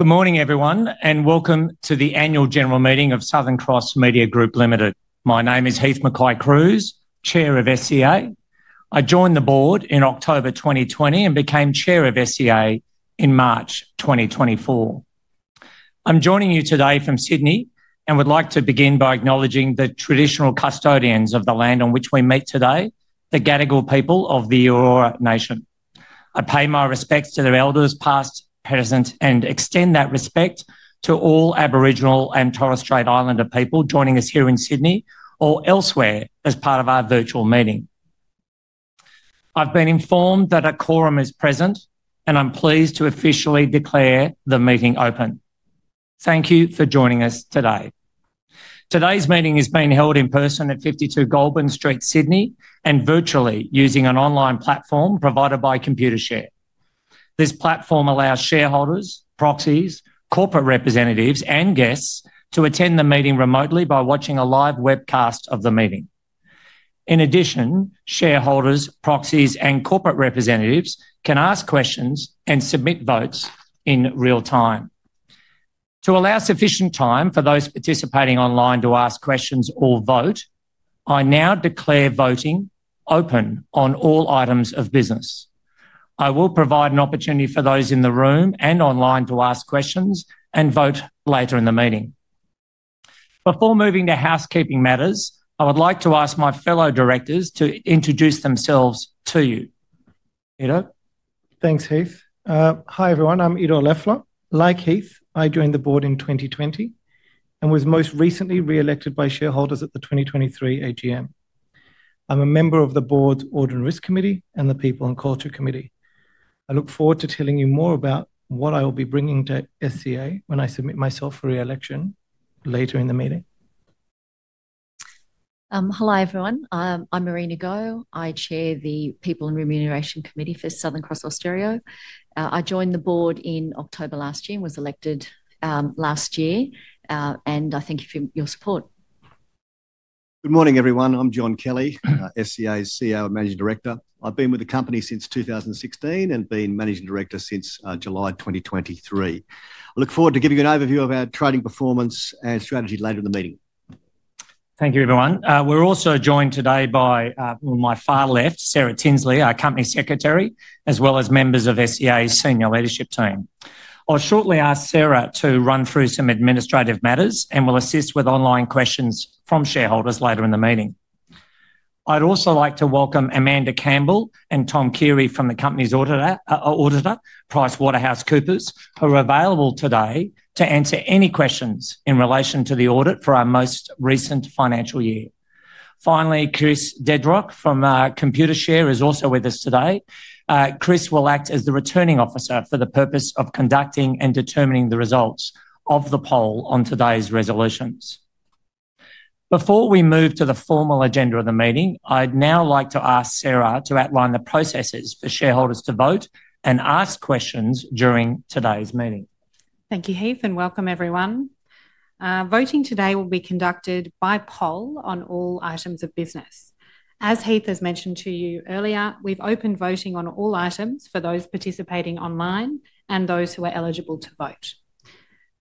Good morning, everyone, and welcome to the Annual General Meeting of Southern Cross Media Group Limited. My name is Heith MacKay-Cruise, Chair of SCA. I joined the board in October 2020 and became Chair of SCA in March 2024. I'm joining you today from Sydney and would like to begin by acknowledging the traditional custodians of the land on which we meet today, the Gadigal people of the Eora Nation. I pay my respects to their elders, past, present, and extend that respect to all Aboriginal and Torres Strait Islander people joining us here in Sydney or elsewhere as part of our virtual meeting. I've been informed that a quorum is present, and I'm pleased to officially declare the meeting open. Thank you for joining us today. Today's meeting is being held in person at 52 Goldburn Street, Sydney, and virtually using an online platform provided by Computershare. This platform allows shareholders, proxies, corporate representatives, and guests to attend the meeting remotely by watching a live webcast of the meeting. In addition, shareholders, proxies, and corporate representatives can ask questions and submit votes in real time. To allow sufficient time for those participating online to ask questions or vote, I now declare voting open on all items of business. I will provide an opportunity for those in the room and online to ask questions and vote later in the meeting. Before moving to housekeeping matters, I would like to ask my fellow directors to introduce themselves to you. Ido. Thanks, Heith. Hi, everyone. I'm Ido Leffler. Like Heith, I joined the board in 2020 and was most recently re-elected by shareholders at the 2023 AGM. I'm a member of the board's Audit and Risk Committee and the People and Culture Committee. I look forward to telling you more about what I will be bringing to SCA when I submit myself for re-election later in the meeting. Hello, everyone. I'm Marina Go. I chair the People and Remuneration Committee for Southern Cross Austereo. I joined the board in October last year, was elected last year, and I thank you for your support. Good morning, everyone. I'm John Kelly, SCA's CEO and Managing Director. I've been with the company since 2016 and been Managing Director since July 2023. I look forward to giving you an overview of our trading performance and strategy later in the meeting. Thank you, everyone. We're also joined today by, on my far left, Sarah Tinsley, our Company Secretary, as well as members of SCA's Senior Leadership Team. I'll shortly ask Sarah to run through some administrative matters and will assist with online questions from shareholders later in the meeting. I'd also like to welcome Amanda Campbell and Tom Keary from the company's auditor, PricewaterhouseCoopers, who are available today to answer any questions in relation to the audit for our most recent financial year. Finally, Chris Dedrick from Computershare is also with us today. Chris will act as the Returning Officer for the purpose of conducting and determining the results of the poll on today's resolutions. Before we move to the formal agenda of the meeting, I'd now like to ask Sarah to outline the processes for shareholders to vote and ask questions during today's meeting. Thank you, Heith, and welcome, everyone. Voting today will be conducted by poll on all items of business. As Heith has mentioned to you earlier, we've opened voting on all items for those participating online and those who are eligible to vote.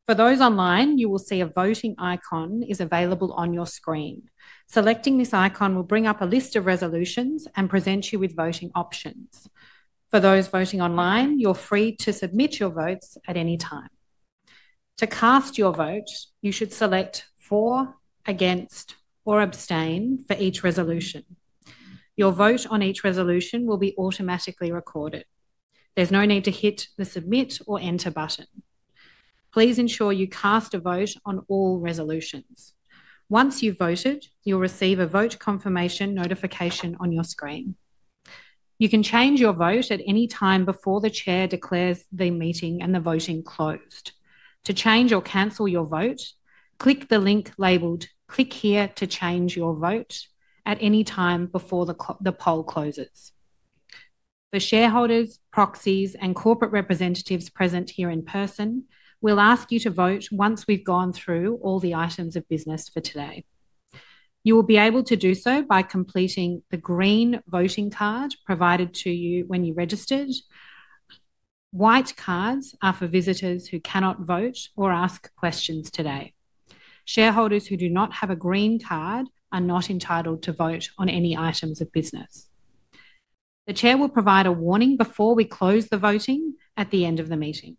For those online, you will see a voting icon is available on your screen. Selecting this icon will bring up a list of resolutions and present you with voting options. For those voting online, you're free to submit your votes at any time. To cast your vote, you should select for, against, or abstain for each resolution. Your vote on each resolution will be automatically recorded. There's no need to hit the submit or enter button. Please ensure you cast a vote on all resolutions. Once you've voted, you'll receive a vote confirmation notification on your screen. You can change your vote at any time before the Chair declares the meeting and the voting closed. To change or cancel your vote, click the link labeled "Click here to change your vote" at any time before the poll closes. For shareholders, proxies, and corporate representatives present here in person, we'll ask you to vote once we've gone through all the items of business for today. You will be able to do so by completing the green voting card provided to you when you registered. White cards are for visitors who cannot vote or ask questions today. Shareholders who do not have a green card are not entitled to vote on any items of business. The Chair will provide a warning before we close the voting at the end of the meeting.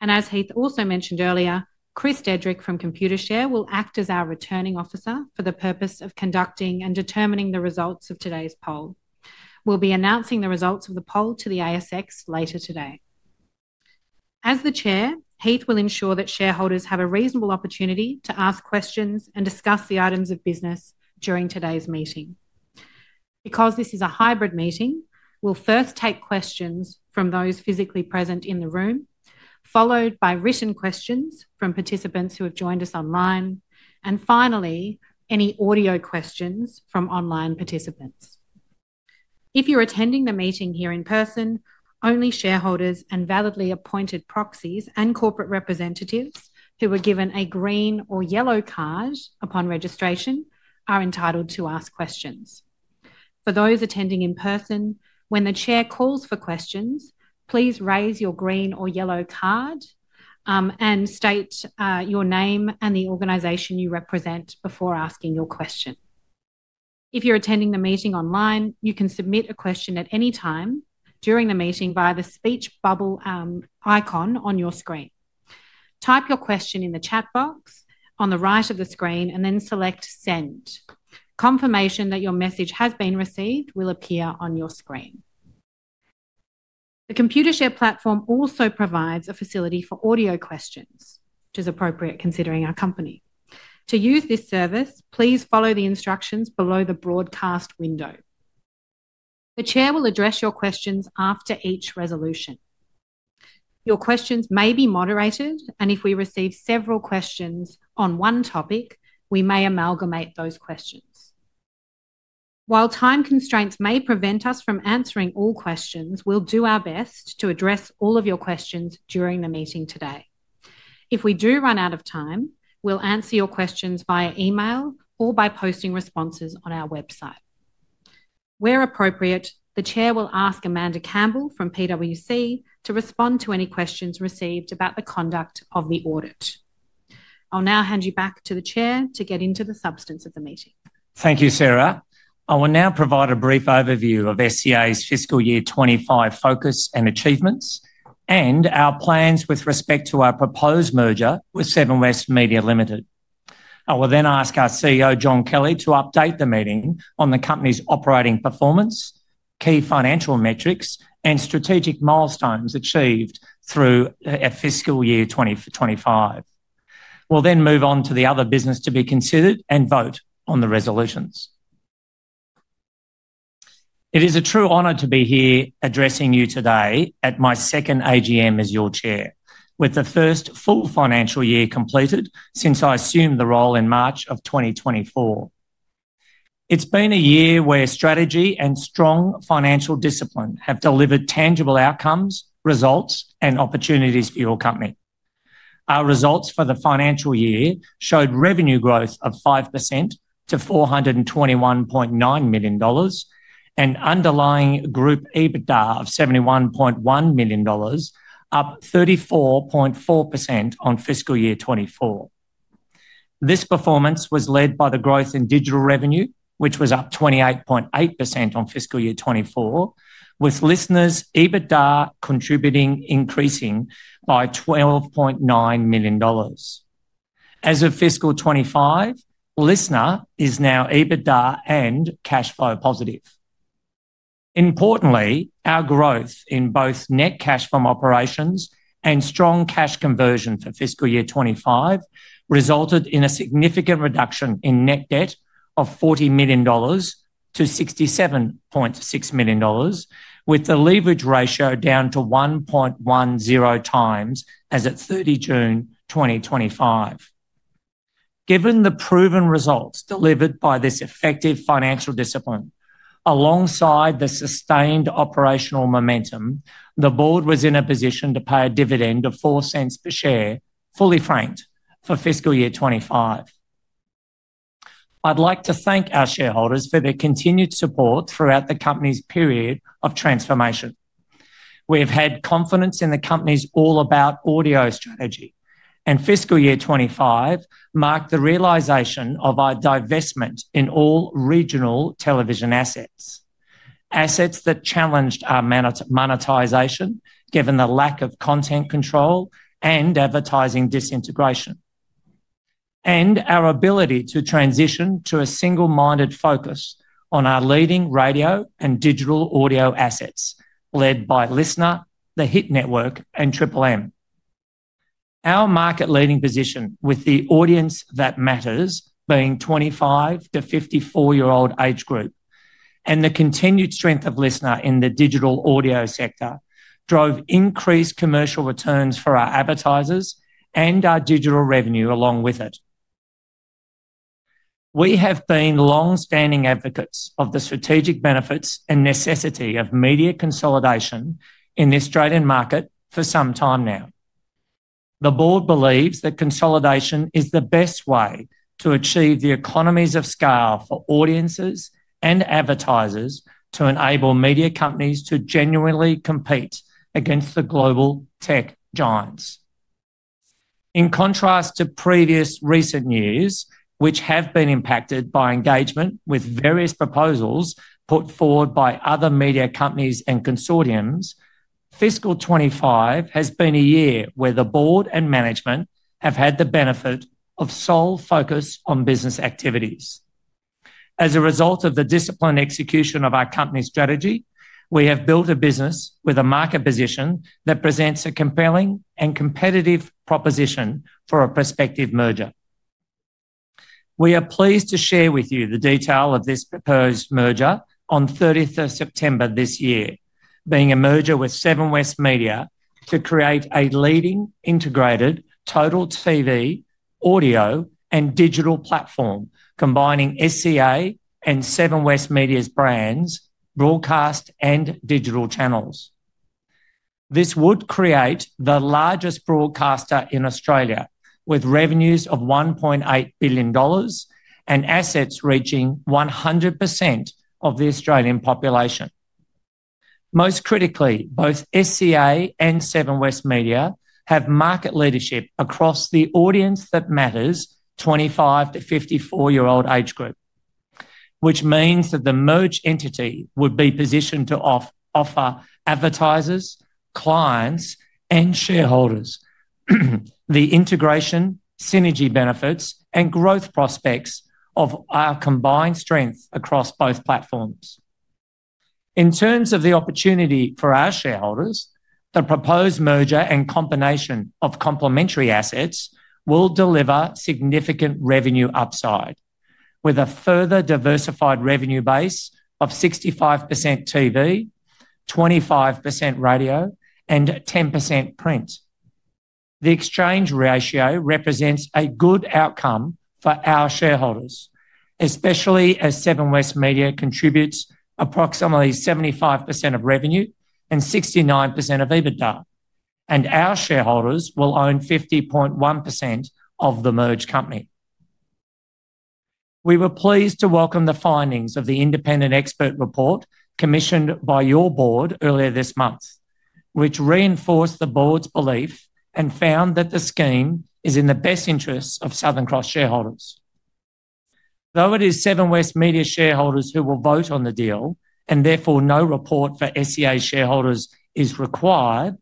As Heith also mentioned earlier, Chris Dedrick from Computershare will act as our Returning Officer for the purpose of conducting and determining the results of today's poll. We will be announcing the results of the poll to the ASX later today. As the Chair, Heith will ensure that shareholders have a reasonable opportunity to ask questions and discuss the items of business during today's meeting. Because this is a hybrid meeting, we will first take questions from those physically present in the room, followed by written questions from participants who have joined us online, and finally, any audio questions from online participants. If you are attending the meeting here in person, only shareholders and validly appointed proxies and corporate representatives who were given a green or yellow card upon registration are entitled to ask questions. For those attending in person, when the Chair calls for questions, please raise your green or yellow card and state your name and the organization you represent before asking your question. If you're attending the meeting online, you can submit a question at any time during the meeting via the speech bubble icon on your screen. Type your question in the chat box on the right of the screen and then select "Send." Confirmation that your message has been received will appear on your screen. The Computershare platform also provides a facility for audio questions, which is appropriate considering our company. To use this service, please follow the instructions below the broadcast window. The Chair will address your questions after each resolution. Your questions may be moderated, and if we receive several questions on one topic, we may amalgamate those questions. While time constraints may prevent us from answering all questions, we'll do our best to address all of your questions during the meeting today. If we do run out of time, we'll answer your questions via email or by posting responses on our website. Where appropriate, the Chair will ask Amanda Campbell from PwC to respond to any questions received about the conduct of the audit. I'll now hand you back to the Chair to get into the substance of the meeting. Thank you, Sarah. I will now provide a brief overview of SCA's fiscal year 2025 focus and achievements and our plans with respect to our proposed merger with Seven West Media Limited. I will then ask our CEO, John Kelly, to update the meeting on the company's operating performance, key financial metrics, and strategic milestones achieved through fiscal year 2025. We will then move on to the other business to be considered and vote on the resolutions. It is a true honor to be here addressing you today at my second AGM as your Chair, with the first full financial year completed since I assumed the role in March of 2024. It has been a year where strategy and strong financial discipline have delivered tangible outcomes, results, and opportunities for your company. Our results for the financial year showed revenue growth of 5% to 421.9 million dollars and underlying group EBITDA of 71.1 million dollars, up 34.4% on fiscal year 2024. This performance was led by the growth in digital revenue, which was up 28.8% on fiscal year 2024, with LiSTNR's EBITDA contributing, increasing by 12.9 million dollars. As of fiscal 2025, LiSTNR is now EBITDA and cash flow positive. Importantly, our growth in both net cash from operations and strong cash conversion for fiscal year 2025 resulted in a significant reduction in net debt of AUD 40 million-AUD 67.6 million, with the leverage ratio down to 1.10 times as of 30 June 2025. Given the proven results delivered by this effective financial discipline, alongside the sustained operational momentum, the board was in a position to pay a dividend of 0.04 per share, fully franked, for fiscal year 2025. I'd like to thank our shareholders for their continued support throughout the company's period of transformation. We have had confidence in the company's all-about audio strategy, and fiscal year 2025 marked the realization of our divestment in all regional television assets, assets that challenged our monetization, given the lack of content control and advertising disintegration, and our ability to transition to a single-minded focus on our leading radio and digital audio assets led by LiSTNR, the Hit Network, and Triple M. Our market-leading position, with the audience that matters being 25-54-year-old age group, and the continued strength of LiSTNR in the digital audio sector drove increased commercial returns for our advertisers and our digital revenue along with it. We have been long-standing advocates of the strategic benefits and necessity of media consolidation in the Australian market for some time now. The board believes that consolidation is the best way to achieve the economies of scale for audiences and advertisers to enable media companies to genuinely compete against the global tech giants. In contrast to previous recent years, which have been impacted by engagement with various proposals put forward by other media companies and consortiums, fiscal 2025 has been a year where the board and management have had the benefit of sole focus on business activities. As a result of the disciplined execution of our company strategy, we have built a business with a market position that presents a compelling and competitive proposition for a prospective merger. We are pleased to share with you the detail of this proposed merger on 30 September this year, being a merger with Seven West Media to create a leading integrated total TV, audio, and digital platform combining SCA and Seven West Media's brands, broadcast, and digital channels. This would create the largest broadcaster in Australia, with revenues of 1.8 billion dollars and assets reaching 100% of the Australian population. Most critically, both SCA and Seven West Media have market leadership across the audience that matters, 25-54-year-old age group, which means that the merged entity would be positioned to offer advertisers, clients, and shareholders the integration, synergy benefits, and growth prospects of our combined strength across both platforms. In terms of the opportunity for our shareholders, the proposed merger and combination of complementary assets will deliver significant revenue upside, with a further diversified revenue base of 65% TV, 25% radio, and 10% print. The exchange ratio represents a good outcome for our shareholders, especially as Seven West Media contributes approximately 75% of revenue and 69% of EBITDA, and our shareholders will own 50.1% of the merged company. We were pleased to welcome the findings of the independent expert report commissioned by your board earlier this month, which reinforced the board's belief and found that the scheme is in the best interests of Southern Cross shareholders. Though it is Seven West Media shareholders who will vote on the deal, and therefore no report for Southern Cross Media Group shareholders is required,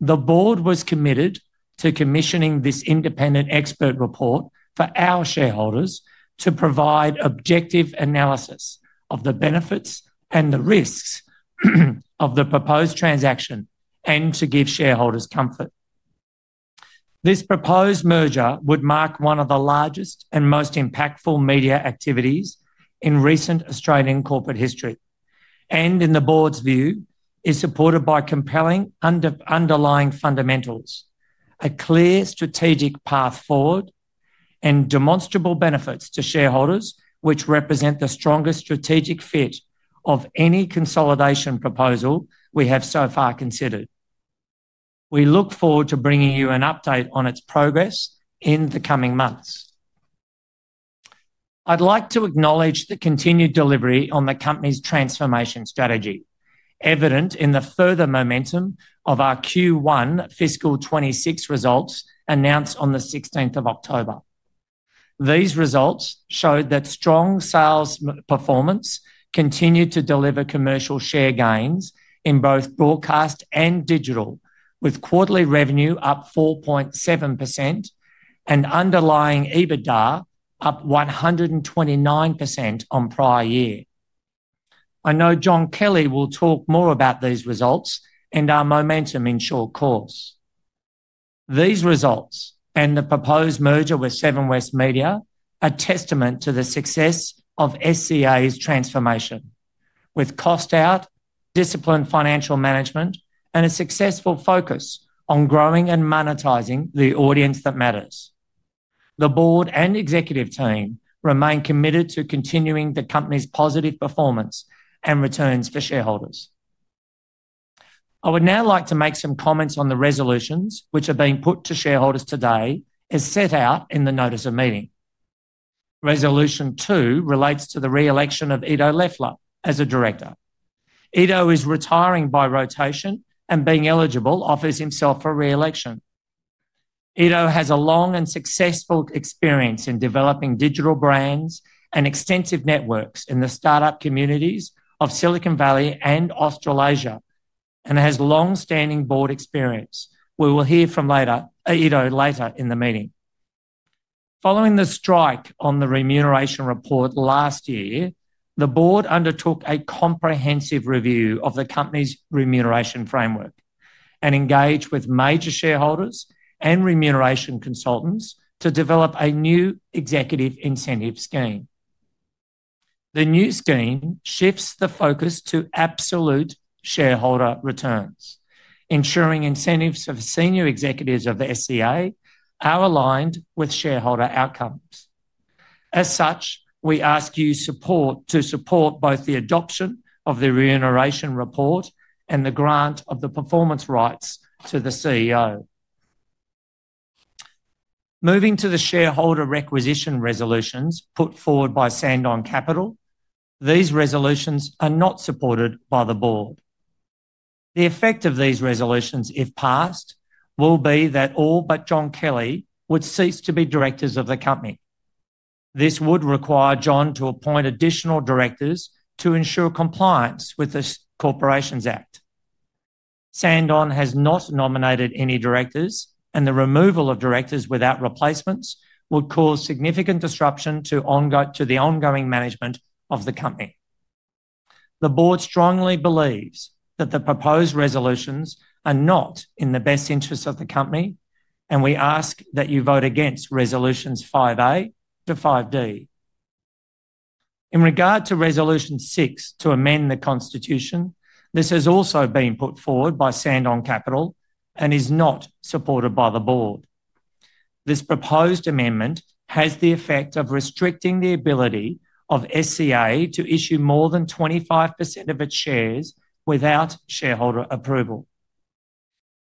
the board was committed to commissioning this independent expert report for our shareholders to provide objective analysis of the benefits and the risks of the proposed transaction and to give shareholders comfort. This proposed merger would mark one of the largest and most impactful media activities in recent Australian corporate history, and in the board's view, is supported by compelling underlying fundamentals, a clear strategic path forward, and demonstrable benefits to shareholders, which represent the strongest strategic fit of any consolidation proposal we have so far considered. We look forward to bringing you an update on its progress in the coming months. I'd like to acknowledge the continued delivery on the company's transformation strategy, evident in the further momentum of our Q1 fiscal 2026 results announced on the 16th of October. These results showed that strong sales performance continued to deliver commercial share gains in both broadcast and digital, with quarterly revenue up 4.7% and underlying EBITDA up 129% on prior year. I know John Kelly will talk more about these results and our momentum in short course. These results and the proposed merger with Seven West Media are testament to the success of SCA's transformation, with cost out, disciplined financial management, and a successful focus on growing and monetizing the audience that matters. The board and executive team remain committed to continuing the company's positive performance and returns for shareholders. I would now like to make some comments on the resolutions which are being put to shareholders today as set out in the notice of meeting. Resolution two relates to the re-election of Ido Leffler as a director. Ido is retiring by rotation and being eligible offers himself for re-election. Ido has a long and successful experience in developing digital brands and extensive networks in the startup communities of Silicon Valley and Australasia and has long-standing board experience. We will hear from Ido later in the meeting. Following the strike on the remuneration report last year, the board undertook a comprehensive review of the company's remuneration framework and engaged with major shareholders and remuneration consultants to develop a new executive incentive scheme. The new scheme shifts the focus to absolute shareholder returns, ensuring incentives for senior executives of the SEA are aligned with shareholder outcomes. As such, we ask you to support both the adoption of the remuneration report and the grant of the performance rights to the CEO. Moving to the shareholder requisition resolutions put forward by Sandon Capital, these resolutions are not supported by the board. The effect of these resolutions, if passed, will be that all but John Kelly would cease to be directors of the company. This would require John to appoint additional directors to ensure compliance with the Corporations Act. Sandon has not nominated any directors, and the removal of directors without replacements would cause significant disruption to the ongoing management of the company. The board strongly believes that the proposed resolutions are not in the best interests of the company, and we ask that you vote against resolutions 5A to 5D. In regard to resolution six to amend the constitution, this has also been put forward by Sandon Capital and is not supported by the board. This proposed amendment has the effect of restricting the ability of SCA to issue more than 25% of its shares without shareholder approval.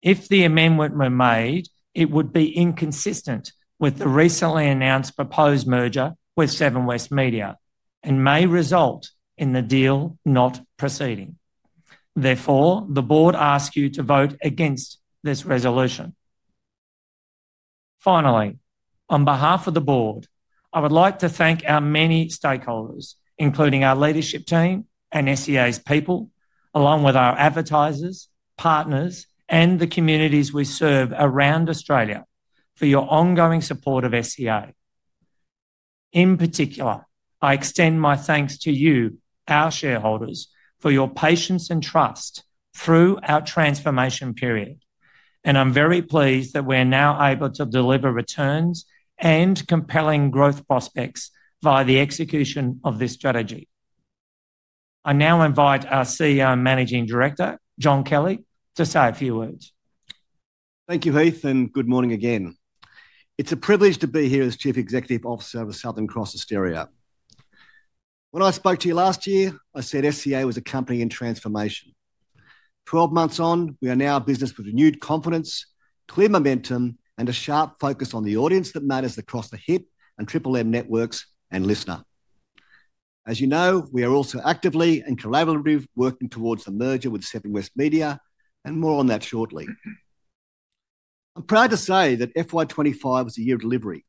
If the amendment were made, it would be inconsistent with the recently announced proposed merger with Seven West Media and may result in the deal not proceeding. Therefore, the board asks you to vote against this resolution. Finally, on behalf of the board, I would like to thank our many stakeholders, including our leadership team and SCA's people, along with our advertisers, partners, and the communities we serve around Australia for your ongoing support of SCA. In particular, I extend my thanks to you, our shareholders, for your patience and trust through our transformation period, and I'm very pleased that we're now able to deliver returns and compelling growth prospects via the execution of this strategy. I now invite our CEO and Managing Director, John Kelly, to say a few words. Thank you, Heith, and good morning again. It's a privilege to be here as Chief Executive Officer of Southern Cross Austereo. When I spoke to you last year, I said SCA was a company in transformation. Twelve months on, we are now in business with renewed confidence, clear momentum, and a sharp focus on the audience that matters across the Hit and Triple M networks and LiSTNR. As you know, we are also actively and collaboratively working towards the merger with Seven West Media, and more on that shortly. I'm proud to say that FY25 was a year of delivery.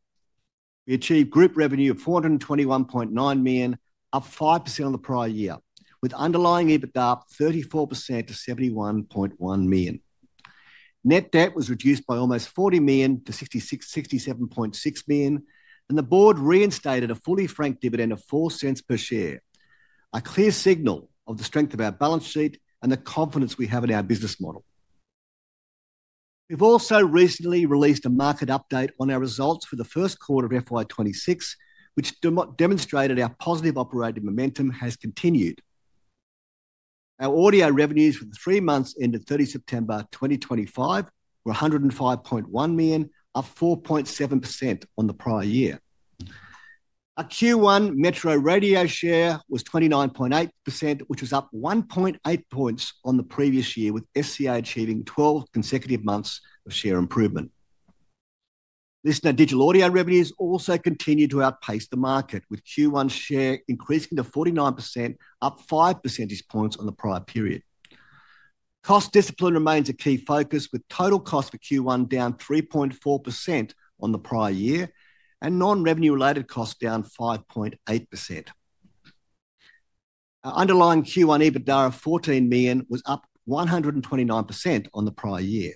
We achieved group revenue of 421.9 million, up 5% on the prior year, with underlying EBITDA up 34% to 71.1 million. Net debt was reduced by almost 40 million-67.6 million, and the board reinstated a fully franked dividend of 0.04 per share, a clear signal of the strength of our balance sheet and the confidence we have in our business model. We've also recently released a market update on our results for the first quarter of FY26, which demonstrated our positive operating momentum has continued. Our audio revenues for the three months ended 30 September 2025 were 105.1 million, up 4.7% on the prior year. Our Q1 Metro Radio share was 29.8%, which was up 1.8 percentage points on the previous year, with SEA achieving 12 consecutive months of share improvement. LiSTNR digital audio revenues also continue to outpace the market, with Q1 share increasing to 49%, up 5 percentage points on the prior period. Cost discipline remains a key focus, with total cost for Q1 down 3.4% on the prior year and non-revenue-related costs down 5.8%. Our underlying Q1 EBITDA of 14 million was up 129% on the prior year.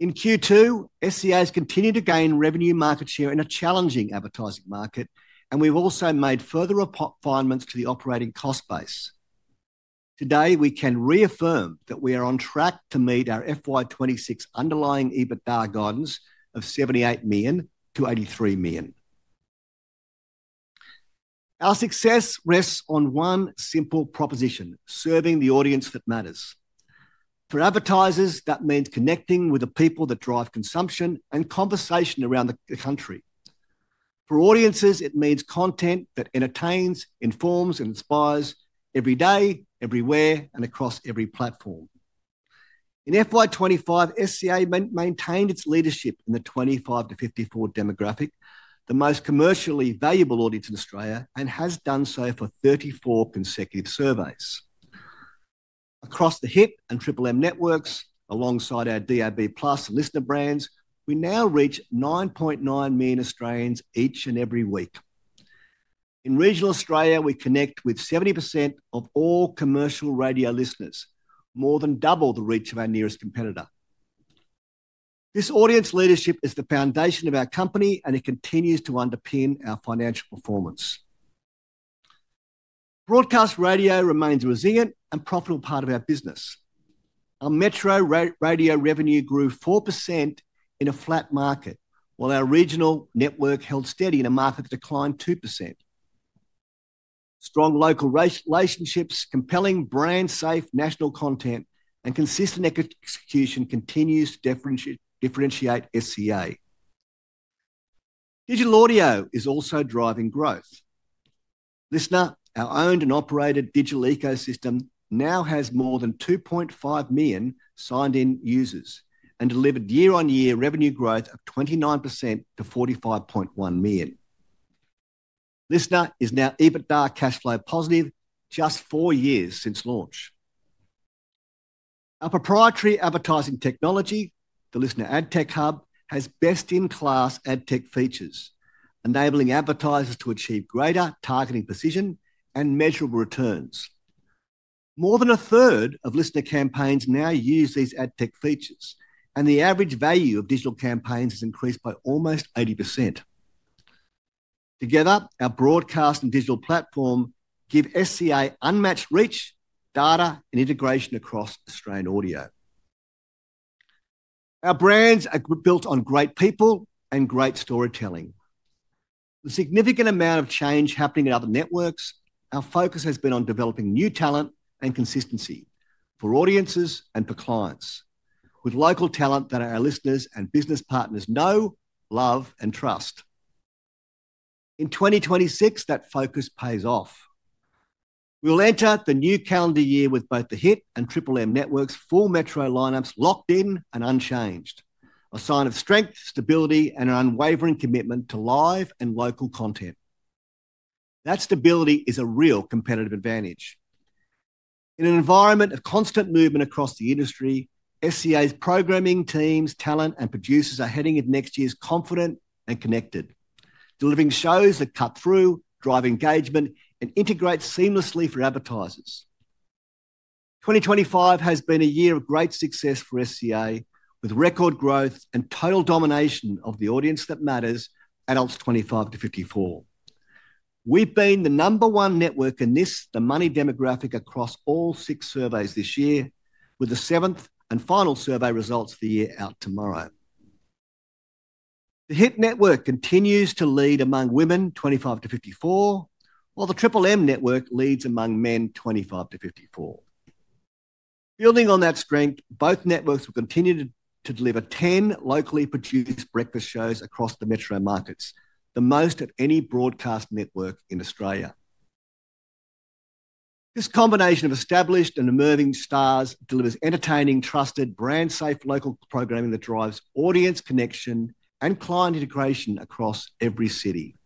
In Q2, SCA has continued to gain revenue market share in a challenging advertising market, and we've also made further refinements to the operating cost base. Today, we can reaffirm that we are on track to meet our FY2026 underlying EBITDA guidance of 78 million-83 million. Our success rests on one simple proposition: serving the audience that matters. For advertisers, that means connecting with the people that drive consumption and conversation around the country. For audiences, it means content that entertains, informs, and inspires every day, everywhere, and across every platform. In FY25, SCA maintained its leadership in the 25 to 54 demographic, the most commercially valuable audience in Australia, and has done so for 34 consecutive surveys. Across the Hit and Triple M networks, alongside our Digital Audio and LiSTNR brands, we now reach 9.9 million Australians each and every week. In regional Australia, we connect with 70% of all commercial radio listeners, more than double the reach of our nearest competitor. This audience leadership is the foundation of our company, and it continues to underpin our financial performance. Broadcast radio remains a resilient and profitable part of our business. Our Metro Radio revenue grew 4% in a flat market, while our regional network held steady in a market that declined 2%. Strong local relationships, compelling brand-safe national content, and consistent execution continue to differentiate SCA. Digital Audio is also driving growth. LiSTNR, our owned and operated digital ecosystem, now has more than 2.5 million signed-in users and delivered year-on-year revenue growth of 29% to 45.1 million. LiSTNR is now EBITDA cash flow positive just four years since launch. Our proprietary advertising technology, the LiSTNR Ad Tech Hub, has best-in-class ad tech features, enabling advertisers to achieve greater targeting precision and measurable returns. More than a third of LiSTNR campaigns now use these ad tech features, and the average value of digital campaigns has increased by almost 80%. Together, our broadcast and digital platform give SCA unmatched reach, data, and integration across Australian audio. Our brands are built on great people and great storytelling. With a significant amount of change happening in other networks, our focus has been on developing new talent and consistency for audiences and for clients, with local talent that our listeners and business partners know, love, and trust. In 2026, that focus pays off. We will enter the new calendar year with both the Hit and Triple M networks' full Metro lineups locked in and unchanged, a sign of strength, stability, and an unwavering commitment to live and local content. That stability is a real competitive advantage. In an environment of constant movement across the industry, SCA's programming teams, talent, and producers are heading into next year confident and connected, delivering shows that cut through, drive engagement, and integrate seamlessly for advertisers. 2025 has been a year of great success for SCA, with record growth and total domination of the audience that matters, adults 25-54. We've been the number one network in this The Money demographic across all six surveys this year, with the seventh and final survey results for the year out tomorrow. The Hit Network continues to lead among women 25-54, while the Triple M network leads among men 25-54. Building on that strength, both networks will continue to deliver 10 locally produced breakfast shows across the Metro markets, the most of any broadcast network in Australia. This combination of established and emerging stars delivers entertaining, trusted, brand-safe local programming that drives audience connection and client integration across every city.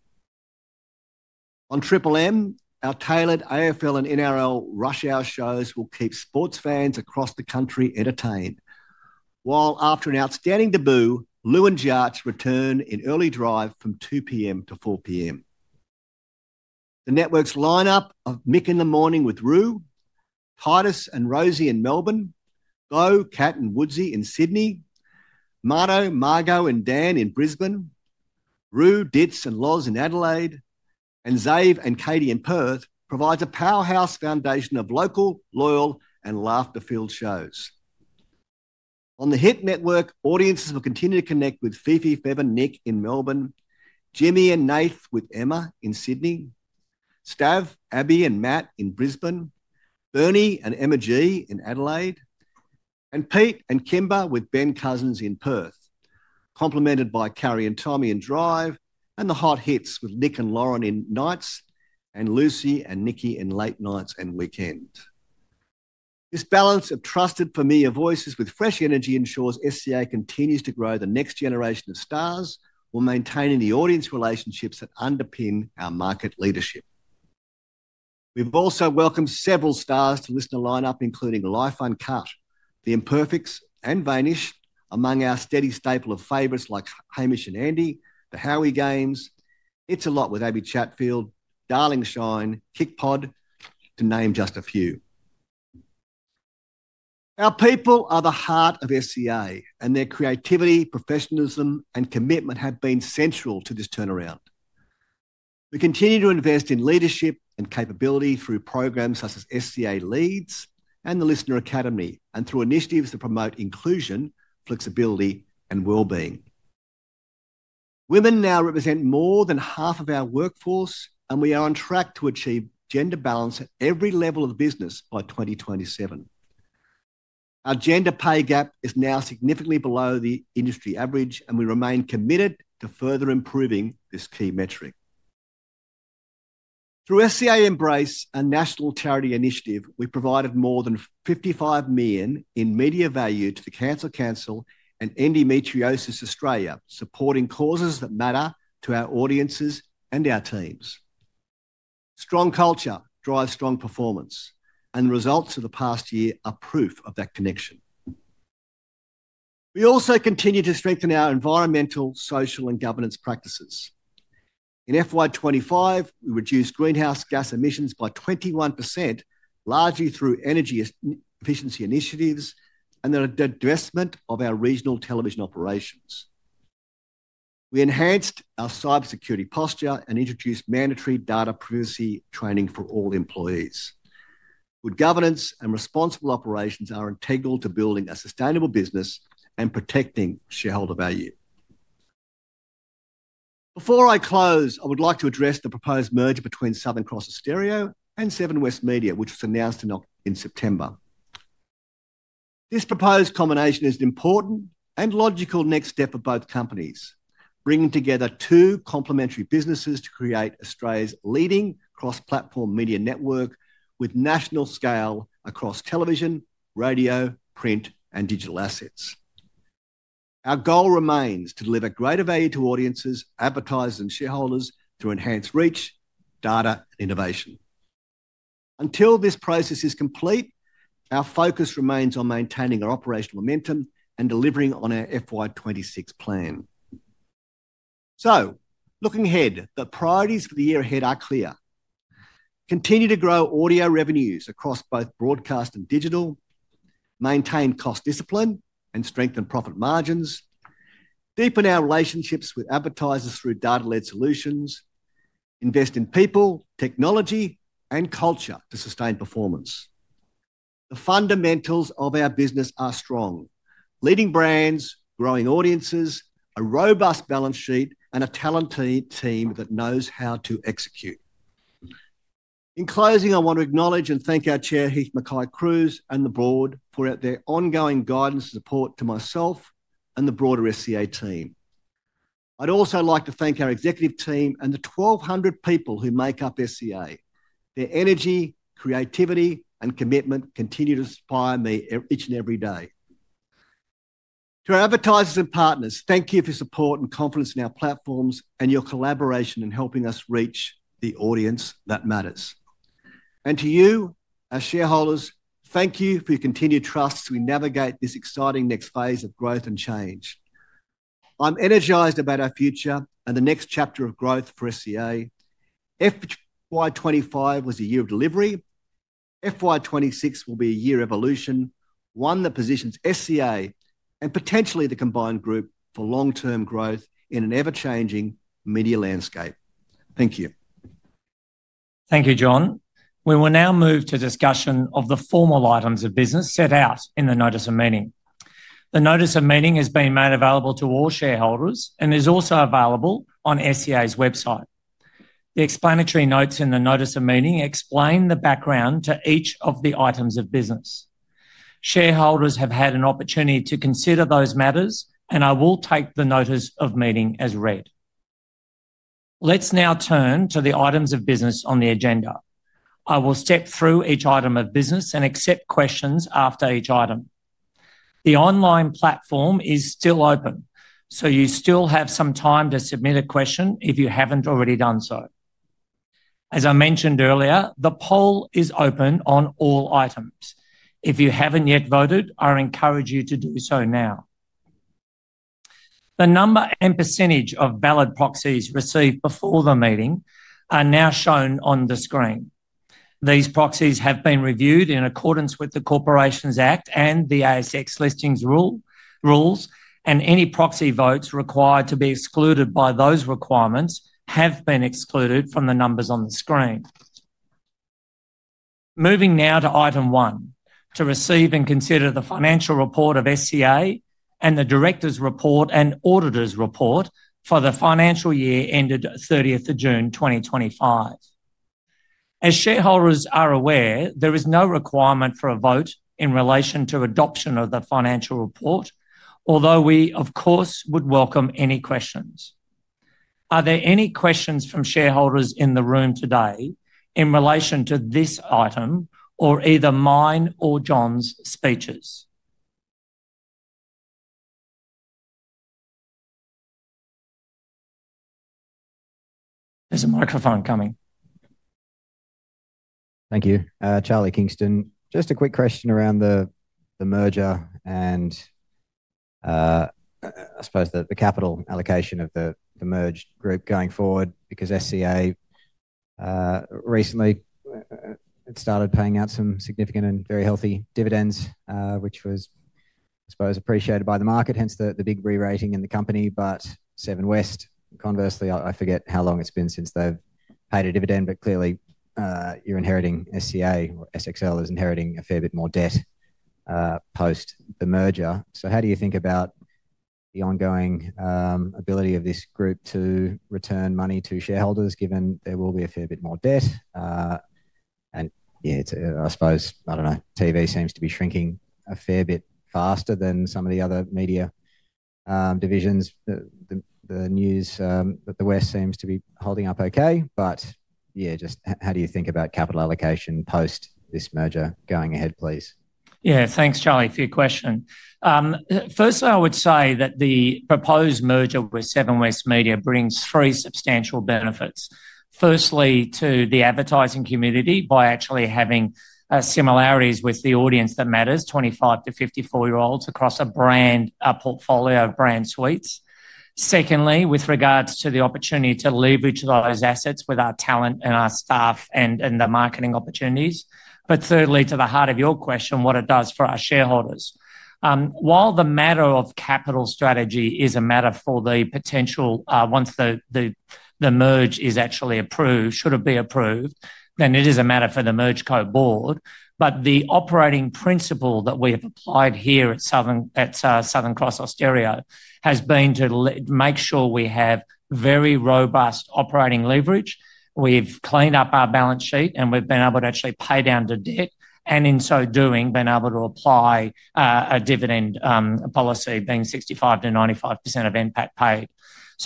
On Triple M, our tailored AFL and NRL Rush Hour shows will keep sports fans across the country entertained, while after an outstanding debut, Lou and Jarch return in early drive from 2:00 P.M. to 4:00 P.M. The network's lineup of Mick in the Morning with Roo, Titus and Rosie in Melbourne, Beau, Cat, and Woodsy in Sydney, Marto, Margaux, and Dan in Brisbane, Roo, Ditts, and Loz in Adelaide, and Xav, and Katie in Perth provides a powerhouse foundation of local, loyal, and laughter-filled shows. On the Hit Network, audiences will continue to connect with Fifi, Fev, and Nick in Melbourne, Jimmy and Nath with Emma in Sydney, Stav, Abby, and Matt in Brisbane, Bernie and Emma G in Adelaide, and Pete and Kimber with Ben Cousins in Perth, complemented by Carrie and Tommy in Drive and the Hot Hits with Nick and Lauren in Nights and Lucy and Nikki in Late Nights and Weekend. This balance of trusted familiar voices with fresh energy ensures SCA continues to grow the next generation of stars while maintaining the audience relationships that underpin our market leadership. We've also welcomed several stars to LiSTNR lineup, including Life Uncut, The Imperfects, and Vanish among our steady staple of favorites like Hamish & Andy, The Howie Games, It's A Lot with Abby Chatfield, Darling, Shine!, KICPOD, to name just a few. Our people are the heart of SCA, and their creativity, professionalism, and commitment have been central to this turnaround. We continue to invest in leadership and capability through programs such as SCA Leads and the LiSTNR Academy, and through initiatives that promote inclusion, flexibility, and well-being. Women now represent more than half of our workforce, and we are on track to achieve gender balance at every level of the business by 2027. Our gender pay gap is now significantly below the industry average, and we remain committed to further improving this key metric. Through SEA Embrace, a national charity initiative, we provided more than 55 million in media value to the Cancer Council and Endometriosis Australia, supporting causes that matter to our audiences and our teams. Strong culture drives strong performance, and the results of the past year are proof of that connection. We also continue to strengthen our environmental, social, and governance practices. In FY25, we reduced greenhouse gas emissions by 21%, largely through energy efficiency initiatives and the investment of our regional television operations. We enhanced our cybersecurity posture and introduced mandatory data privacy training for all employees. Good governance and responsible operations are integral to building a sustainable business and protecting shareholder value. Before I close, I would like to address the proposed merger between Southern Cross Austereo and Seven West Media, which was announced in September. This proposed combination is an important and logical next step for both companies, bringing together two complementary businesses to create Australia's leading cross-platform media network with national scale across television, radio, print, and digital assets. Our goal remains to deliver greater value to audiences, advertisers, and shareholders through enhanced reach, data, and innovation. Until this process is complete, our focus remains on maintaining our operational momentum and delivering on our FY26 plan. Looking ahead, the priorities for the year ahead are clear. Continue to grow audio revenues across both broadcast and digital, maintain cost discipline and strengthen profit margins, deepen our relationships with advertisers through data-led solutions, invest in people, technology, and culture to sustain performance. The fundamentals of our business are strong: leading brands, growing audiences, a robust balance sheet, and a talented team that knows how to execute. In closing, I want to acknowledge and thank our Chair, Heith MacKay-Cruise, and the board for their ongoing guidance and support to myself and the broader SEA team. I'd also like to thank our executive team and the 1,200 people who make up SEA. Their energy, creativity, and commitment continue to inspire me each and every day. To our advertisers and partners, thank you for your support and confidence in our platforms and your collaboration in helping us reach the audience that matters. To you, our shareholders, thank you for your continued trust as we navigate this exciting next phase of growth and change. I'm energized about our future and the next chapter of growth for SEA. FY25 was a year of delivery. FY26 will be a year of evolution, one that positions SEA and potentially the combined group for long-term growth in an ever-changing media landscape. Thank you. Thank you, John. We will now move to discussion of the formal items of business set out in the notice of meeting. The notice of meeting has been made available to all shareholders, and is also available on SCA's website. The explanatory notes in the notice of meeting explain the background to each of the items of business. Shareholders have had an opportunity to consider those matters, and I will take the notice of meeting as read. Let's now turn to the items of business on the agenda. I will step through each item of business and accept questions after each item. The online platform is still open, so you still have some time to submit a question if you haven't already done so. As I mentioned earlier, the poll is open on all items. If you haven't yet voted, I encourage you to do so now. The number and percentage of valid proxies received before the meeting are now shown on the screen. These proxies have been reviewed in accordance with the Corporations Act and the ASX Listings Rules, and any proxy votes required to be excluded by those requirements have been excluded from the numbers on the screen. Moving now to item one, to receive and consider the financial report of SEA and the director's report and auditor's report for the financial year ended 30th of June 2025. As shareholders are aware, there is no requirement for a vote in relation to adoption of the financial report, although we, of course, would welcome any questions. Are there any questions from shareholders in the room today in relation to this item or either mine or John's speeches? There's a microphone coming. Thank you. Charlie Kingston. Just a quick question around the merger and, I suppose, the capital allocation of the merged group going forward, because SEA recently started paying out some significant and very healthy dividends, which was, I suppose, appreciated by the market, hence the big re-rating in the company. Seven West, conversely, I forget how long it has been since they have paid a dividend, but clearly you are inheriting SEA, or SXL is inheriting a fair bit more debt post the merger. How do you think about the ongoing ability of this group to return money to shareholders, given there will be a fair bit more debt? I suppose, I do not know, TV seems to be shrinking a fair bit faster than some of the other media divisions. The news that the West seems to be holding up okay, but yeah, just how do you think about capital allocation post this merger going ahead, please? Yeah, thanks, Charlie, for your question. Firstly, I would say that the proposed merger with Seven West Media brings three substantial benefits. Firstly, to the advertising community by actually having similarities with the audience that matters, 25-54-year-olds across a brand portfolio of brand suites. Secondly, with regards to the opportunity to leverage those assets with our talent and our staff and the marketing opportunities. Thirdly, to the heart of your question, what it does for our shareholders. While the matter of capital strategy is a matter for the potential, once the merge is actually approved, should it be approved, then it is a matter for the Merge Co board. The operating principle that we have applied here at Southern Cross Austereo has been to make sure we have very robust operating leverage. We've cleaned up our balance sheet, and we've been able to actually pay down the debt, and in so doing, been able to apply a dividend policy, being 65%-95% of impact paid.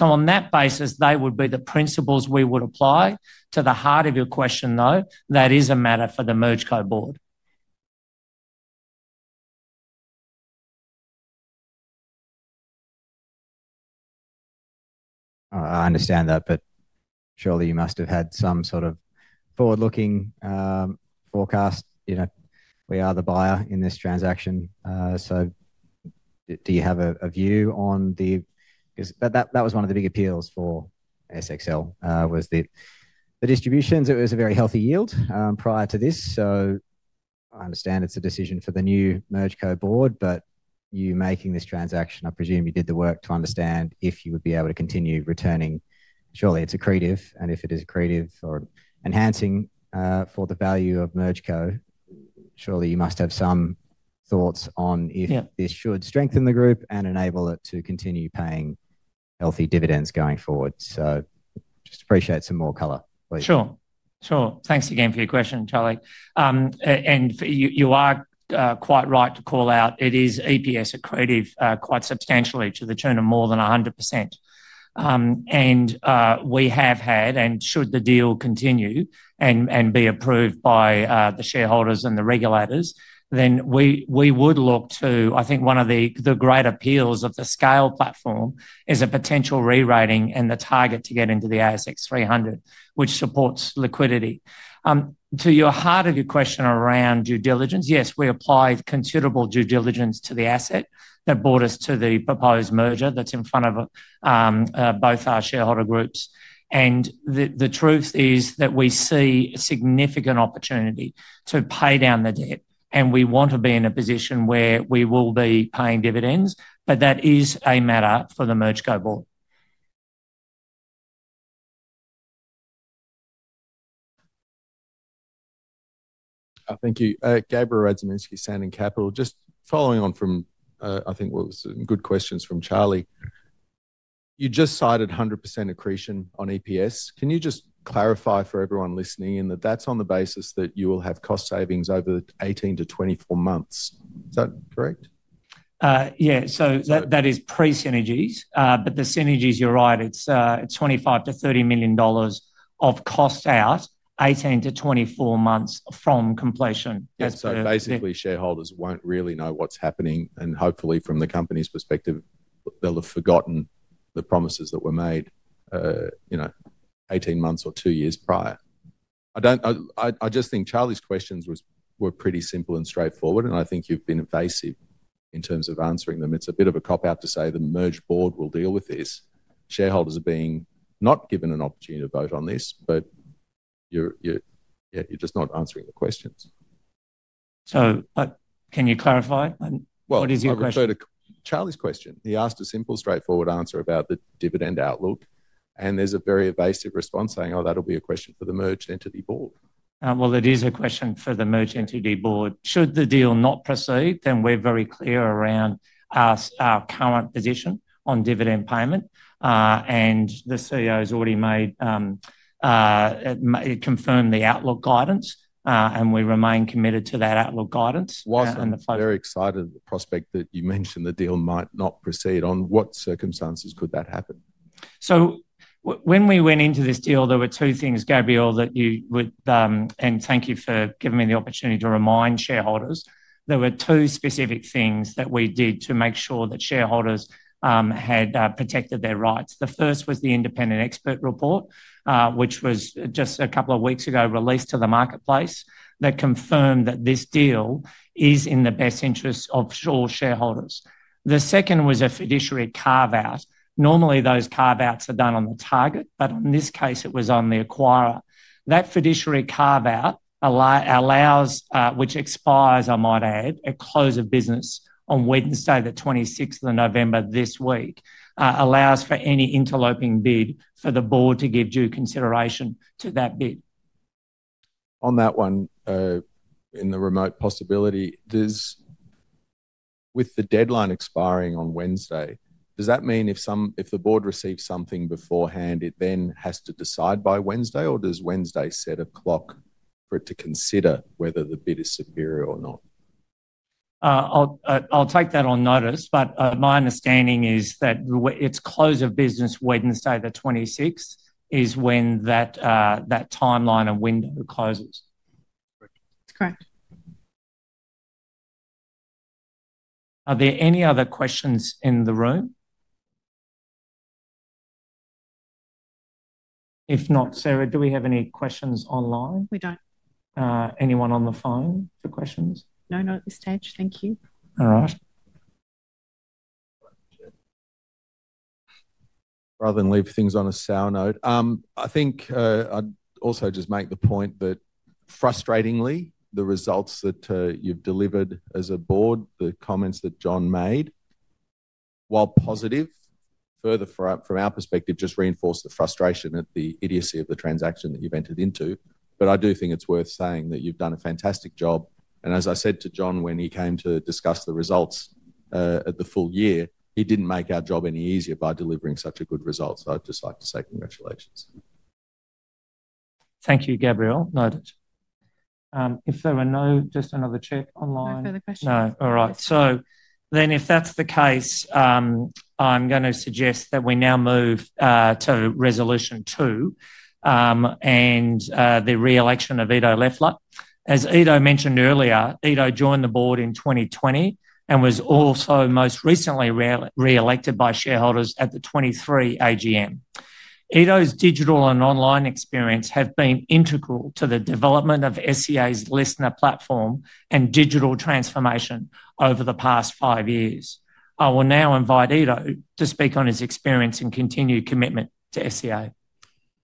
On that basis, they would be the principles we would apply. To the heart of your question, though, that is a matter for the Merge Co board. I understand that, but surely you must have had some sort of forward-looking forecast. We are the buyer in this transaction. Do you have a view on the...That was one of the big appeals for SXL, that the distributions, it was a very healthy yield prior to this. I understand it's a decision for the new Merge Co board, but you making this transaction, I presume you did the work to understand if you would be able to continue returning. Surely it's accretive, and if it is accretive or enhancing for the value of Merge Co, surely you must have some thoughts on if this should strengthen the group and enable it to continue paying healthy dividends going forward. I just appreciate some more color, please. Sure. Thanks again for your question, Charlie. You are quite right to call out it is EPS accretive quite substantially to the tune of more than 100%. We have had, and should the deal continue and be approved by the shareholders and the regulators, then we would look to... I think one of the great appeals of the scale platform is a potential re-rating and the target to get into the ASX 300, which supports liquidity. To your heart of your question around due diligence, yes, we applied considerable due diligence to the asset that brought us to the proposed merger that is in front of both our shareholder groups. The truth is that we see a significant opportunity to pay down the debt, and we want to be in a position where we will be paying dividends, but that is a matter for the Merge Co board. Thank you. Gabriel Radzyminski, Sandon Capital, just following on from, I think, what was some good questions from Charlie. You just cited 100% accretion on EPS. Can you just clarify for everyone listening in that that is on the basis that you will have cost savings over 18-24 months? Is that correct? Yeah. That is pre-synergies, but the synergies, you're right, it's 25 million-30 million dollars of cost out 18-24 months from completion. Basically, shareholders won't really know what's happening, and hopefully, from the company's perspective, they'll have forgotten the promises that were made 18 months or two years prior. I just think Charlie's questions were pretty simple and straightforward, and I think you've been evasive in terms of answering them. It's a bit of a cop-out to say the Merge Board will deal with this. Shareholders are being not given an opportunity to vote on this, but you're just not answering the questions. Can you clarify? What is your question? Charlie's question. He asked a simple, straightforward answer about the dividend outlook, and there's a very evasive response saying, "Oh, that'll be a question for the Merge Entity Board." It is a question for the Merge Entity Board. Should the deal not proceed, then we're very clear around our current position on dividend payment, and the CEO has already confirmed the outlook guidance, and we remain committed to that outlook guidance. Wasn't very excited, the prospect that you mentioned the deal might not proceed. On what circumstances could that happen? When we went into this deal, there were two things, Gabriel, that you would... and thank you for giving me the opportunity to remind shareholders. There were two specific things that we did to make sure that shareholders had protected their rights. The first was the independent expert report, which was just a couple of weeks ago released to the marketplace, that confirmed that this deal is in the best interest of all shareholders. The second was a fiduciary carve-out. Normally, those carve-outs are done on the target, but in this case, it was on the acquirer. That fiduciary carve-out, which expires, I might add, at close of business on Wednesday, the 26th of November this week, allows for any interloping bid for the board to give due consideration to that bid. On that one, in the remote possibility, with the deadline expiring on Wednesday, does that mean if the board receives something beforehand, it then has to decide by Wednesday, or does Wednesday set a clock for it to consider whether the bid is superior or not? I'll take that on notice, but my understanding is that it's close of business, Wednesday, the 26th, is when that timeline and window closes. That's correct. Are there any other questions in the room? If not, Sarah, do we have any questions online? We don't. Anyone on the phone for questions? No, not at this stage. Thank you. All right. Rather than leave things on a sour note, I think I'd also just make the point that, frustratingly, the results that you've delivered as a board, the comments that John made, while positive, further from our perspective, just reinforce the frustration at the idiocy of the transaction that you've entered into. I do think it's worth saying that you've done a fantastic job. As I said to John when he came to discuss the results at the full year, he did not make our job any easier by delivering such a good result. I would just like to say congratulations. Thank you, Gabriel. If there are no, just another check online. No further questions. No. All right. If that is the case, I am going to suggest that we now move to resolution two and the re-election of Ido Leffler. As Ido mentioned earlier, Ido joined the board in 2020 and was also most recently re-elected by shareholders at the 2023 AGM. Ido's digital and online experience have been integral to the development of SEA's LiSTNR platform and digital transformation over the past five years. I will now invite Ido to speak on his experience and continued commitment to SEA.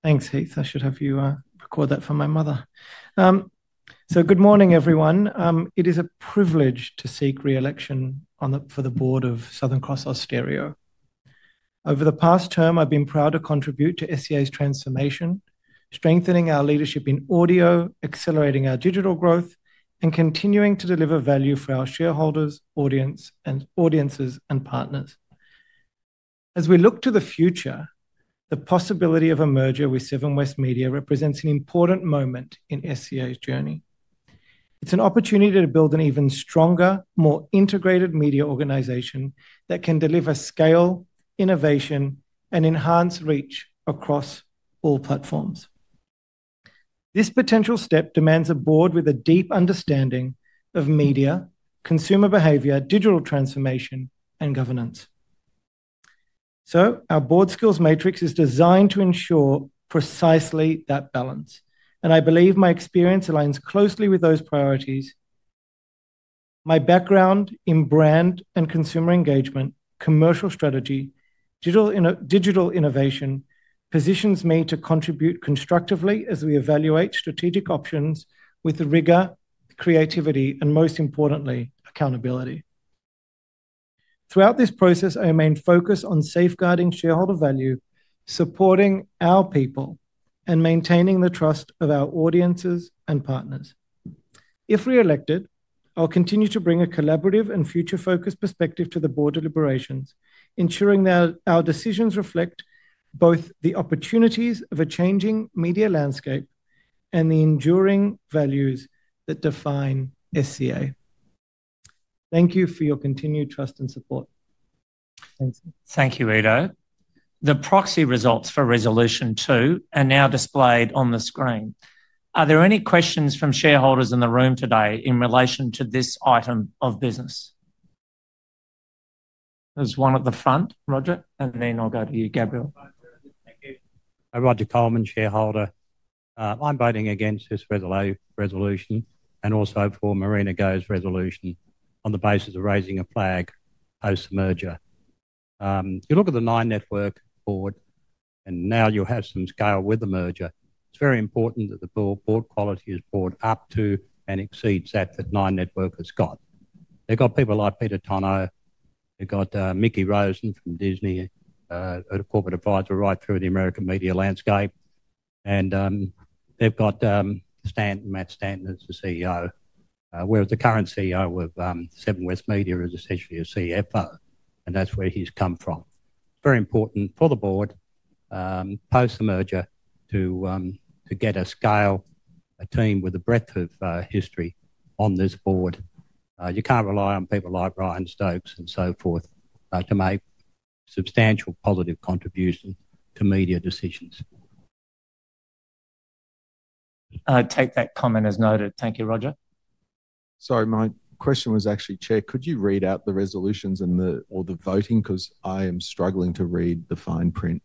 Thanks, Heith. I should have you record that for my mother. Good morning, everyone. It is a privilege to seek re-election for the board of Southern Cross Austereo. Over the past term, I've been proud to contribute to SCA's transformation, strengthening our leadership in audio, accelerating our digital growth, and continuing to deliver value for our shareholders, audiences, and partners. As we look to the future, the possibility of a merger with Seven West Media represents an important moment in SCA's journey. It's an opportunity to build an even stronger, more integrated media organization that can deliver scale, innovation, and enhanced reach across all platforms. This potential step demands a board with a deep understanding of media, consumer behavior, digital transformation, and governance. Our board skills matrix is designed to ensure precisely that balance. I believe my experience aligns closely with those priorities. My background in brand and consumer engagement, commercial strategy, digital innovation positions me to contribute constructively as we evaluate strategic options with rigor, creativity, and most importantly, accountability. Throughout this process, I remain focused on safeguarding shareholder value, supporting our people, and maintaining the trust of our audiences and partners. If re-elected, I'll continue to bring a collaborative and future-focused perspective to the board deliberations, ensuring that our decisions reflect both the opportunities of a changing media landscape and the enduring values that define SEA. Thank you for your continued trust and support. Thank you, Ido. The proxy results for resolution two are now displayed on the screen. Are there any questions from shareholders in the room today in relation to this item of business? There's one at the front, Roger. And then I'll go to you, Gabriel. Thank you. I'm Roger Colman, shareholder. I'm voting against this resolution and also for Marina Go's resolution on the basis of raising a flag post-merger. If you look at the Nine Network board, and now you'll have some scale with the merger, it's very important that the board quality is brought up to and exceeds that that Nine Network has got. They've got people like Peter Tunno. They've got Mickie Rosen from Disney as a corporate advisor right through the American media landscape. And they've got Matt Stanton as the CEO, whereas the current CEO of Seven West Media is essentially a CFO, and that's where he's come from. It's very important for the board post-merger to get a scale, a team with a breadth of history on this board. You can't rely on people like Brian Stokes and so forth to make substantial positive contributions to media decisions. I take that comment as noted. Thank you, Roger. Sorry, my question was actually, Chair, could you read out the resolutions or the voting? Because I am struggling to read the fine print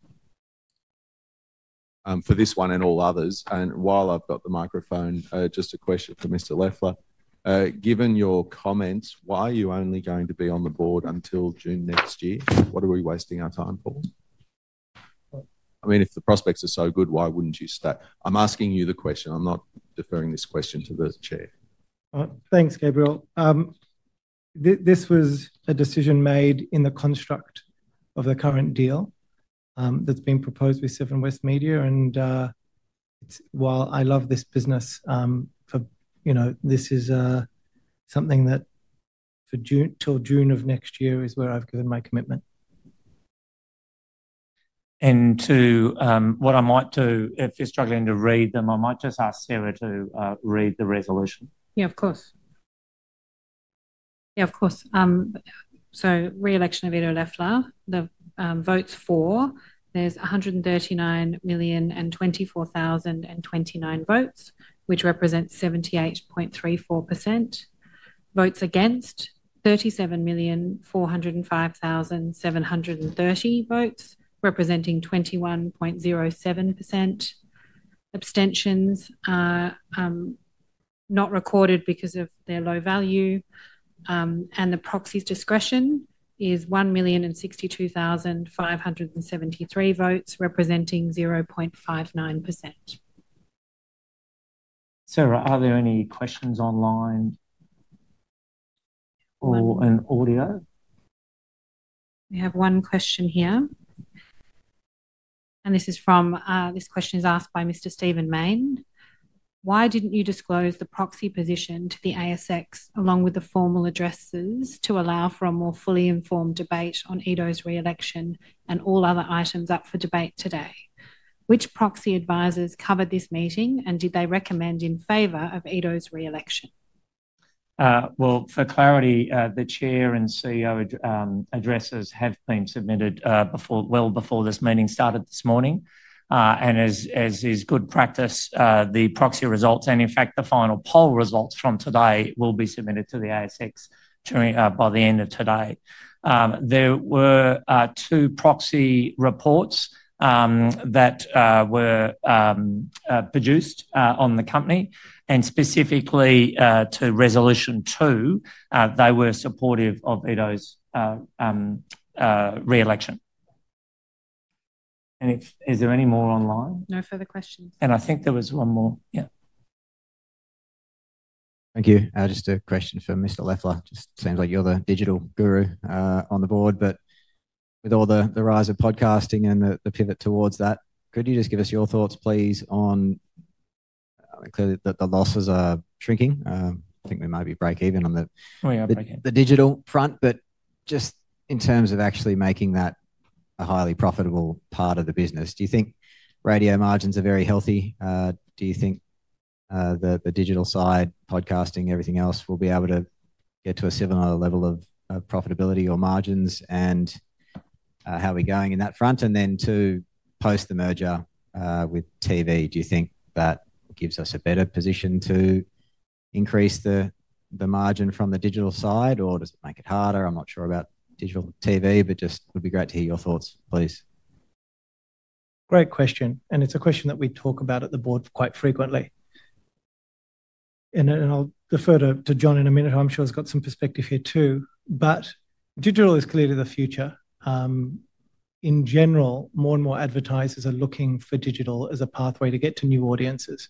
for this one and all others. While I've got the microphone, just a question for Mr. Leffler. Given your comments, why are you only going to be on the board until June next year? What are we wasting our time for? I mean, if the prospects are so good, why wouldn't you stay? I'm asking you the question. I'm not deferring this question to the Chair. Thanks, Gabriel. This was a decision made in the construct of the current deal that's been proposed with Seven West Media. While I love this business, this is something that till June of next year is where I've given my commitment. To what I might do, if you're struggling to read them, I might just ask Sarah to read the resolution. Yeah, of course. Yeah, of course. Re-election of Ido Leffler, the votes for, there's 139,024,029 votes, which represents 78.34%. Votes against, 37,405,730 votes, representing 21.07%. Abstentions are not recorded because of their low value. The proxy's discretion is 1,062,573 votes, representing 0.59%. Sarah, are there any questions online or in audio? We have one question here. This question is asked by Mr. Stephen Mayne. Why didn't you disclose the proxy position to the ASX along with the formal addresses to allow for a more fully informed debate on Ido's re-election and all other items up for debate today? Which proxy advisors covered this meeting, and did they recommend in favor of Ido's re-election? For clarity, the Chair and CEO addresses have been submitted well before this meeting started this morning. As is good practice, the proxy results, and in fact, the final poll results from today, will be submitted to the ASX by the end of today. There were two proxy reports that were produced on the company. Specifically to resolution two, they were supportive of Ido's re-election. Is there any more online? No further questions. I think there was one more. Yeah. Thank you. Just a question for Mr. Leffler. It just seems like you're the digital guru on the board. With all the rise of podcasting and the pivot towards that, could you just give us your thoughts, please, on the losses are shrinking? I think we may be break-even on the digital front, but just in terms of actually making that a highly profitable part of the business. Do you think radio margins are very healthy? Do you think the digital side, podcasting, everything else will be able to get to a similar level of profitability or margins? How are we going in that front? To post the merger with TV, do you think that gives us a better position to increase the margin from the digital side, or does it make it harder? I'm not sure about digital TV, but just it would be great to hear your thoughts, please. Great question. It's a question that we talk about at the board quite frequently. I'll defer to John in a minute. I'm sure he's got some perspective here too. Digital is clearly the future. In general, more and more advertisers are looking for digital as a pathway to get to new audiences.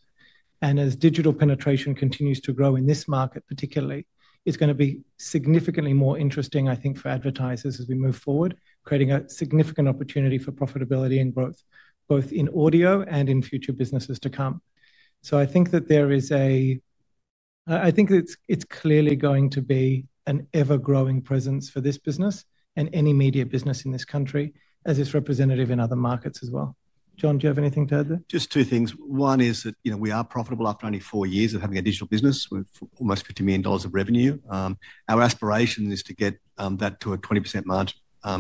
As digital penetration continues to grow in this market particularly, it is going to be significantly more interesting, I think, for advertisers as we move forward, creating a significant opportunity for profitability and growth, both in audio and in future businesses to come. I think that there is a—I think it is clearly going to be an ever-growing presence for this business and any media business in this country, as it is representative in other markets as well. John, do you have anything to add there? Just two things. One is that we are profitable after only four years of having a digital business with almost 50 million dollars of revenue. Our aspiration is to get that to a 20% margin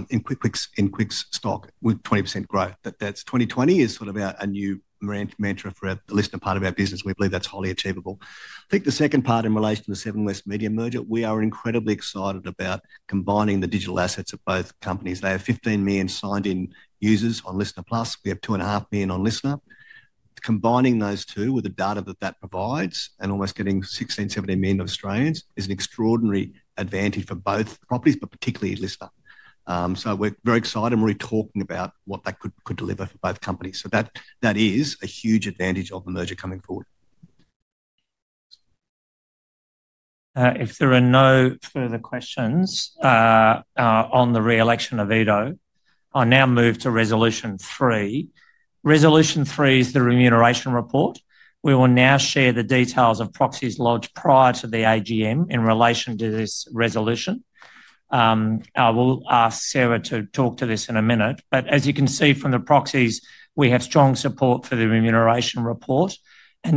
in QUIC's stock with 20% growth. That 2020 is sort of our new mantra for the LiSTNR part of our business. We believe that's highly achievable. I think the second part in relation to the Seven West Media merger, we are incredibly excited about combining the digital assets of both companies. They have 15 million signed-in users on 7plus. We have two and a half million on LiSTNR. Combining those two with the data that that provides and almost getting 16-17 million Australians is an extraordinary advantage for both properties, but particularly LiSTNR. We are very excited and really talking about what that could deliver for both companies. That is a huge advantage of the merger coming forward. If there are no further questions on the re-election of Ido, I'll now move to resolution three. Resolution three is the remuneration report. We will now share the details of proxies lodged prior to the AGM in relation to this resolution. I will ask Sarah to talk to this in a minute. As you can see from the proxies, we have strong support for the remuneration report.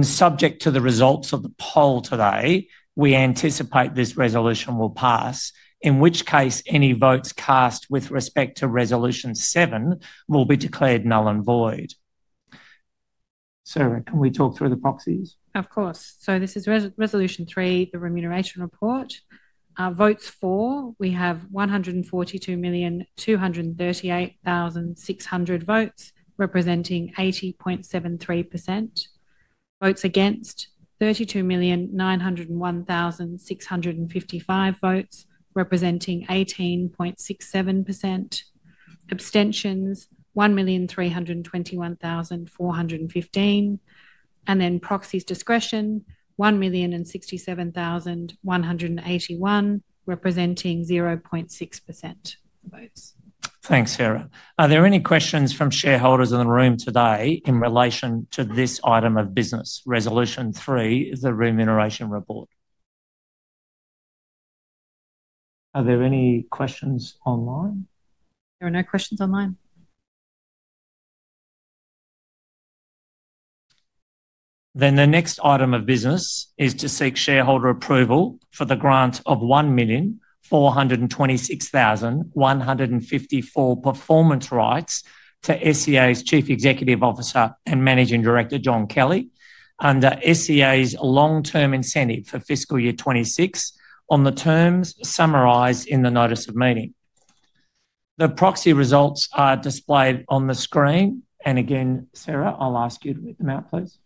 Subject to the results of the poll today, we anticipate this resolution will pass, in which case any votes cast with respect to resolution seven will be declared null and void. Sarah, can we talk through the proxies? Of course. This is resolution three, the remuneration report. Votes for, we have 142,238,600 votes, representing 80.73%. Votes against, 32,901,655 votes, representing 18.67%. Abstentions, 1,321,415. Proxies discretion, 1,067,181, representing 0.6% of votes. Thanks, Sarah. Are there any questions from shareholders in the room today in relation to this item of business, resolution three, the remuneration report? Are there any questions online? There are no questions online. The next item of business is to seek shareholder approval for the grant of 1,426,154 performance rights to SEA's Chief Executive Officer and Managing Director, John Kelly, under SEA's long-term incentive for fiscal year 2026 on the terms summarized in the notice of meeting. The proxy results are displayed on the screen. Sarah, I'll ask you to read them out, please.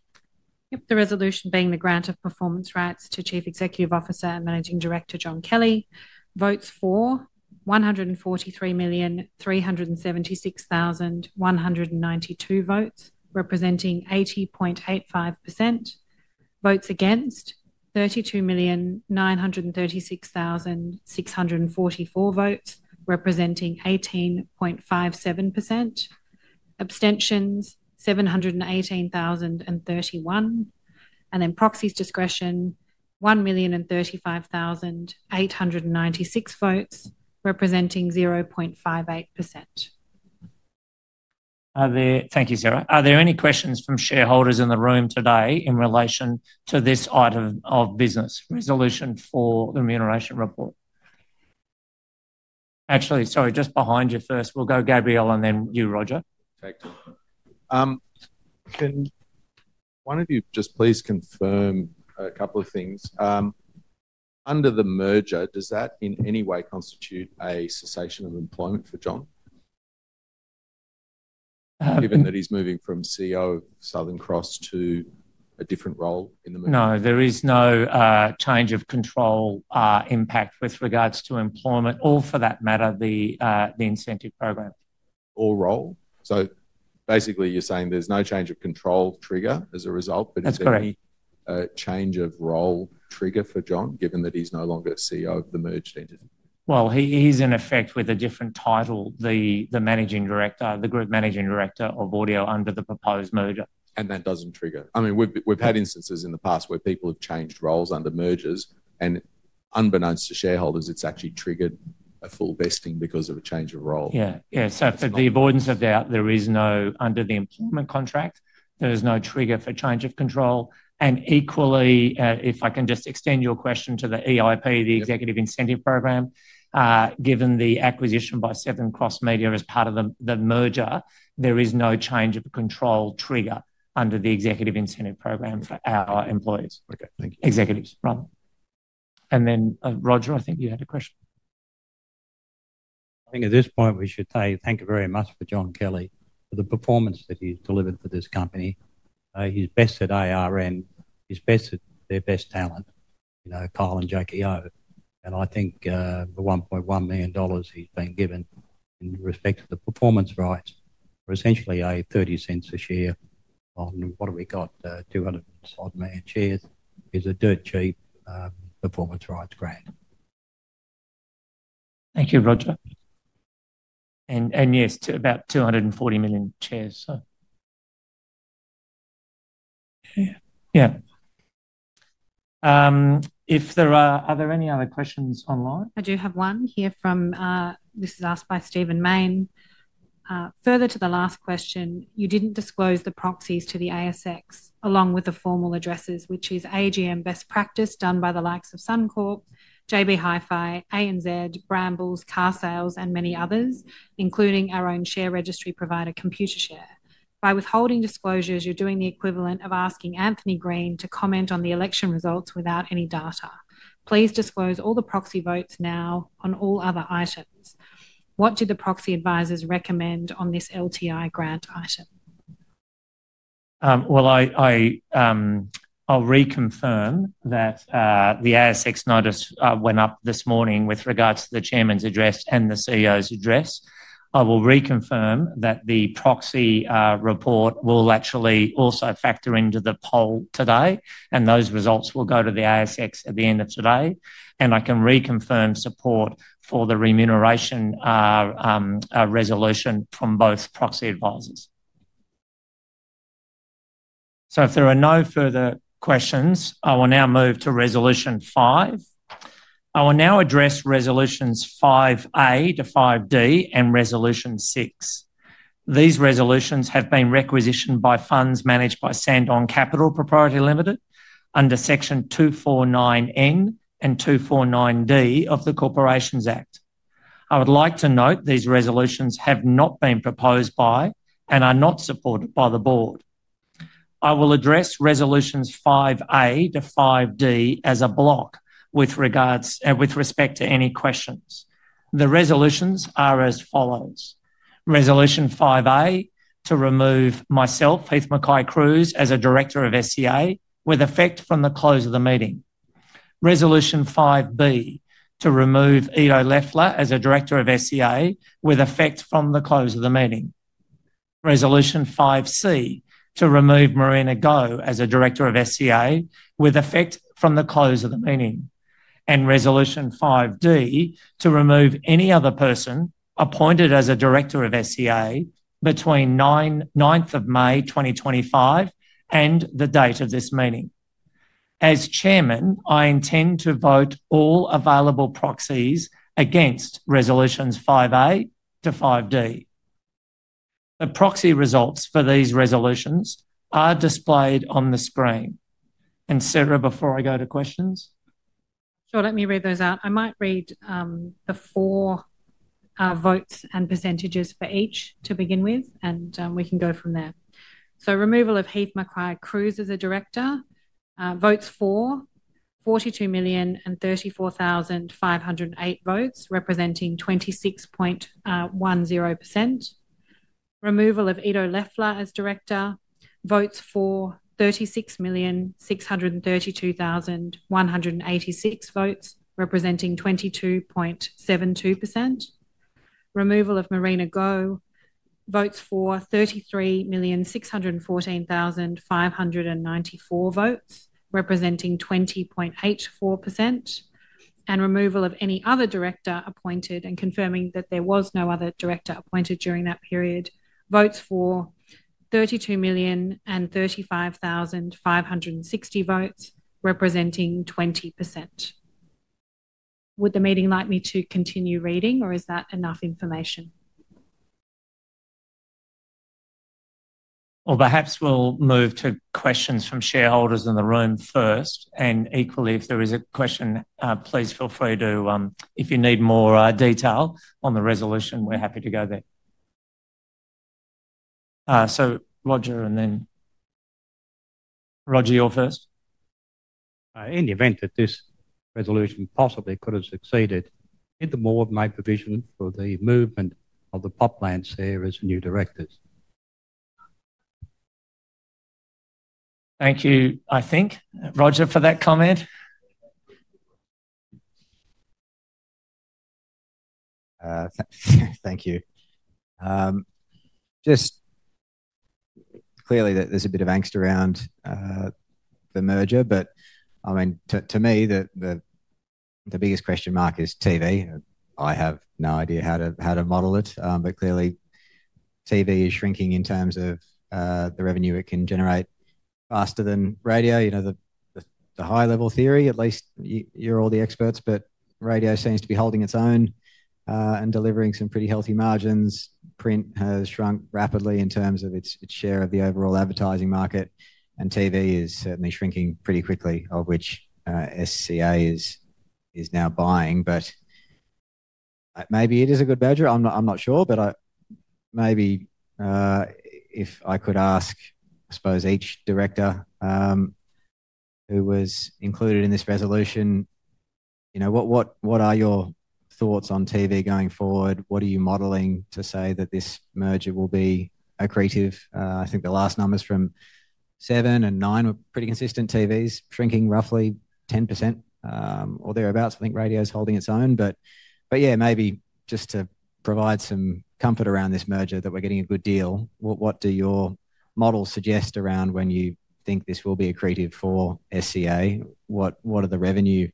Yep. The resolution being the grant of performance rights to Chief Executive Officer and Managing Director, John Kelly. Votes for, 143,376,192 votes, representing 80.85%. Votes against, 32,936,644 votes, representing 18.57%. Abstentions, 718,031. Proxies discretion, 1,035,896 votes, representing 0.58%. Thank you, Sarah. Are there any questions from shareholders in the room today in relation to this item of business, resolution for the remuneration report? Actually, sorry, just behind you first. We'll go Gabriel and then you, Roger. One of you, just please confirm a couple of things. Under the merger, does that in any way constitute a cessation of employment for John, given that he's moving from CEO of Southern Cross to a different role in the movement? No, there is no change of control impact with regards to employment, or for that matter, the incentive program. Or role? Basically, you're saying there's no change of control trigger as a result, but it's a change of role trigger for John, given that he's no longer CEO of the merged entity? He's in effect with a different title, the Managing Director, the Group Managing Director of Audio under the proposed merger. That doesn't trigger? I mean, we've had instances in the past where people have changed roles under mergers. And unbeknownst to shareholders, it's actually triggered a full vesting because of a change of role. Yeah. Yeah. For the avoidance of doubt, there is no, under the employment contract, there is no trigger for change of control. Equally, if I can just extend your question to the EIP, the executive incentive program, given the acquisition by Southern Cross Media as part of the merger, there is no change of control trigger under the executive incentive program for our employees. Executives, rather. Roger, I think you had a question. I think at this point, we should say thank you very much to John Kelly for the performance that he's delivered for this company. He's best at ARN. He's best at their best talent, Kyle and Jackie O. I think the 1.1 million dollars he's been given in respect to the performance rights are essentially 30 cents a share on, what have we got, 200-odd million shares? It's a dirt cheap performance rights grant. Thank you, Roger. Yes, about 240 million shares, so. If there are—are there any other questions online? I do have one here from—this is asked by Stephen Mayne. Further to the last question, you did not disclose the proxies to the ASX along with the formal addresses, which is AGM best practice done by the likes of Sun Corp, JB Hi-Fi, ANZ, Brambles, CarSales, and many others, including our own share registry provider, Computershare. By withholding disclosures, you are doing the equivalent of asking Anthony Green to comment on the election results without any data. Please disclose all the proxy votes now on all other items. What did the proxy advisors recommend on this LTI grant item? I will reconfirm that the ASX notice went up this morning with regards to the Chairman's address and the CEO's address. I will reconfirm that the proxy report will actually also factor into the poll today. Those results will go to the ASX at the end of today. I can reconfirm support for the remuneration resolution from both proxy advisors. If there are no further questions, I will now move to resolution five. I will now address resolutions 5A to 5D and resolution six. These resolutions have been requisitioned by funds managed by Sandon Capital under section 249N and 249D of the Corporations Act. I would like to note these resolutions have not been proposed by and are not supported by the board. I will address resolutions 5A to 5D as a block with respect to any questions. The resolutions are as follows. Resolution 5A to remove myself, Heith MacKay-Cruise, as a director of SEA, with effect from the close of the meeting. Resolution 5B to remove Ido Leffler as a director of SEA, with effect from the close of the meeting. Resolution 5C to remove Marina Go as a director of SEA, with effect from the close of the meeting. Resolution 5D to remove any other person appointed as a director of SEA between 9th of May 2025 and the date of this meeting. As Chairman, I intend to vote all available proxies against resolutions 5A to 5D. The proxy results for these resolutions are displayed on the screen. Sarah, before I go to questions? Sure. Let me read those out. I might read the four votes and percentages for each to begin with, and we can go from there. Removal of Heith MacKay-Cruise as a director, votes for 42,034,508 votes, representing 26.10%. Removal of Ido Leffler as director, votes for 36,632,186 votes, representing 22.72%. Removal of Marina Go, votes for 33,614,594 votes, representing 20.84%. Removal of any other director appointed and confirming that there was no other director appointed during that period, votes for 32,035,560 votes, representing 20%. Would the meeting like me to continue reading, or is that enough information? Perhaps we will move to questions from shareholders in the room first. Equally, if there is a question, please feel free to—if you need more detail on the resolution, we are happy to go there. Roger, you are first. In the event that this resolution possibly could have succeeded, did the board make provision for the movement of the Poplands share as new directors? Thank you, I think, Roger, for that comment. Thank you. Just clearly, there is a bit of angst around the merger. I mean, to me, the biggest question mark is TV. I have no idea how to model it. Clearly, TV is shrinking in terms of the revenue it can generate faster than radio. The high-level theory, at least you're all the experts, but radio seems to be holding its own and delivering some pretty healthy margins. Print has shrunk rapidly in terms of its share of the overall advertising market. TV is certainly shrinking pretty quickly, of which SCA is now buying. Maybe it is a good merger. I'm not sure. Maybe if I could ask, I suppose, each director who was included in this resolution, what are your thoughts on TV going forward? What are you modelling to say that this merger will be accretive? I think the last numbers from Seven and Nine were pretty consistent. TV is shrinking roughly 10% or thereabouts. I think radio's holding its own. Yeah, maybe just to provide some comfort around this merger that we're getting a good deal, what do your models suggest around when you think this will be accretive for SEA? What do the revenue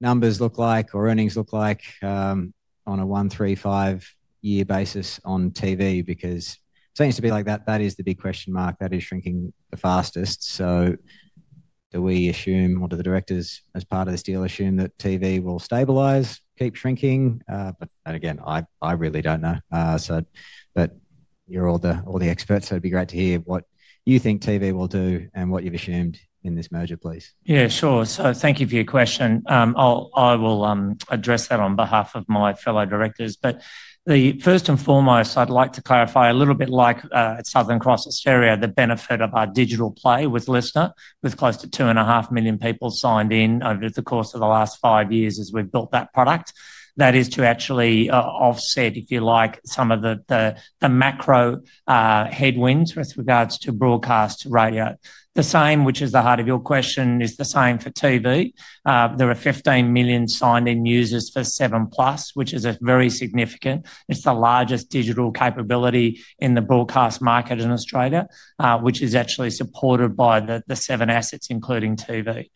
numbers look like or earnings look like on a one, three, five-year basis on TV? Because it seems to be like that is the big question mark. That is shrinking the fastest. Do we assume, or do the directors as part of this deal assume that TV will stabilize, keep shrinking? I really don't know. You're all the experts, so it'd be great to hear what you think TV will do and what you've assumed in this merger, please. Yeah, sure. Thank you for your question. I will address that on behalf of my fellow directors. First and foremost, I'd like to clarify a little bit like Southern Cross Austereo, the benefit of our digital play with LiSTNR, with close to 2.5 million people signed in over the course of the last five years as we've built that product. That is to actually offset, if you like, some of the macro headwinds with regards to broadcast radio. The same, which is the heart of your question, is the same for TV. There are 15 million signed-in users for 7plus, which is very significant. It's the largest digital capability in the broadcast market in Australia, which is actually supported by the Seven assets, including TV.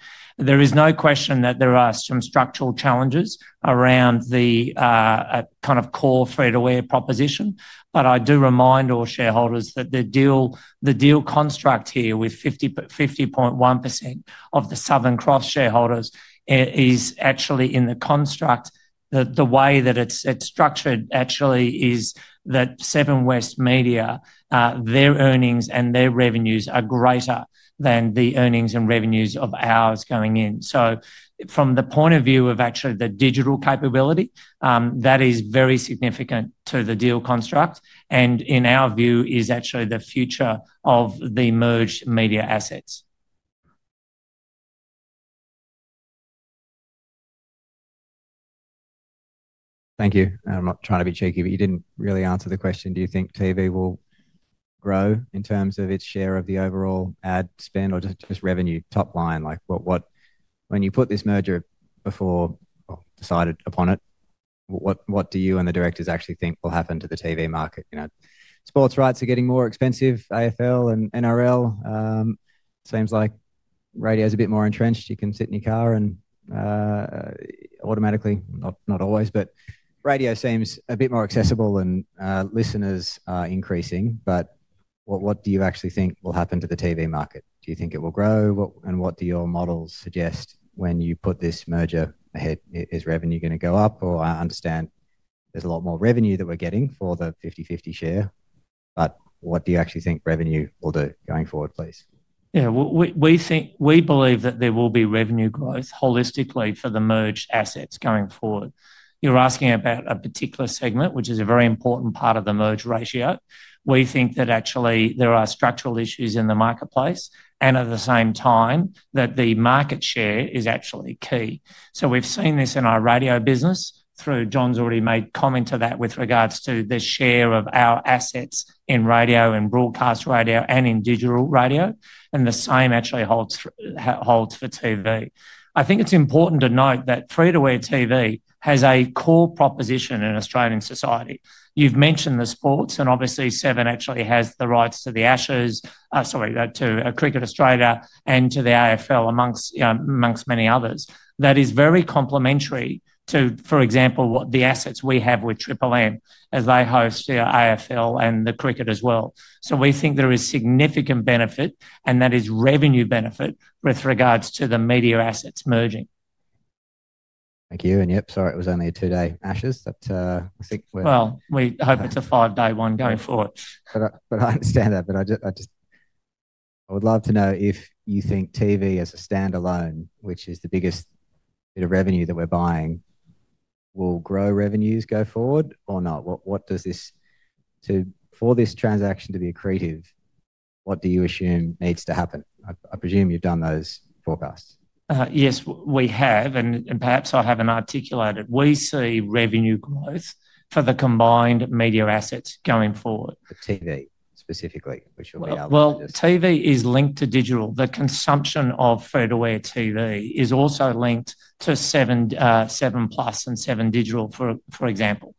There is no question that there are some structural challenges around the kind of core free-to-air proposition. I do remind all shareholders that the deal construct here with 50.1% of the Southern Cross shareholders is actually in the construct. The way that it's structured actually is that Seven West Media, their earnings and their revenues are greater than the earnings and revenues of ours going in. From the point of view of actually the digital capability, that is very significant to the deal construct and in our view is actually the future of the merged media assets. Thank you. I'm not trying to be cheeky, but you didn't really answer the question. Do you think TV will grow in terms of its share of the overall ad spend or just revenue top line? When you put this merger before or decided upon it, what do you and the directors actually think will happen to the TV market? Sports rights are getting more expensive, AFL and NRL. It seems like radio's a bit more entrenched. You can sit in your car and automatically—not always, but radio seems a bit more accessible and listeners are increasing. What do you actually think will happen to the TV market? Do you think it will grow? What do your models suggest when you put this merger ahead? Is revenue going to go up? I understand there's a lot more revenue that we're getting for the 50/50 share. What do you actually think revenue will do going forward, please? Yeah. We believe that there will be revenue growth holistically for the merged assets going forward. You're asking about a particular segment, which is a very important part of the merge ratio. We think that actually there are structural issues in the marketplace and at the same time that the market share is actually key. We have seen this in our radio business through John's already made comment to that with regards to the share of our assets in radio and broadcast radio and in digital radio. The same actually holds for TV. I think it is important to note that free-to-air TV has a core proposition in Australian society. You have mentioned the sports, and obviously Seven actually has the rights to the Ashes, sorry, to Cricket Australia and to the AFL, amongst many others. That is very complementary to, for example, what the assets we have with Triple M, as they host the AFL and the Cricket as well. We think there is significant benefit, and that is revenue benefit with regards to the media assets merging. Thank you. Yep, sorry, it was only a two-day Ashes. I think we're— Well, we hope it's a five-day one going forward. I understand that. I would love to know if you think TV as a standalone, which is the biggest bit of revenue that we're buying, will grow revenues going forward or not? What does this—for this transaction to be accretive, what do you assume needs to happen? I presume you've done those forecasts. Yes, we have. Perhaps I haven't articulated. We see revenue growth for the combined media assets going forward. TV specifically, which will be our biggest—TV is linked to digital. The consumption of free-to-air TV is also linked to 7plus and Seven Digital, for example.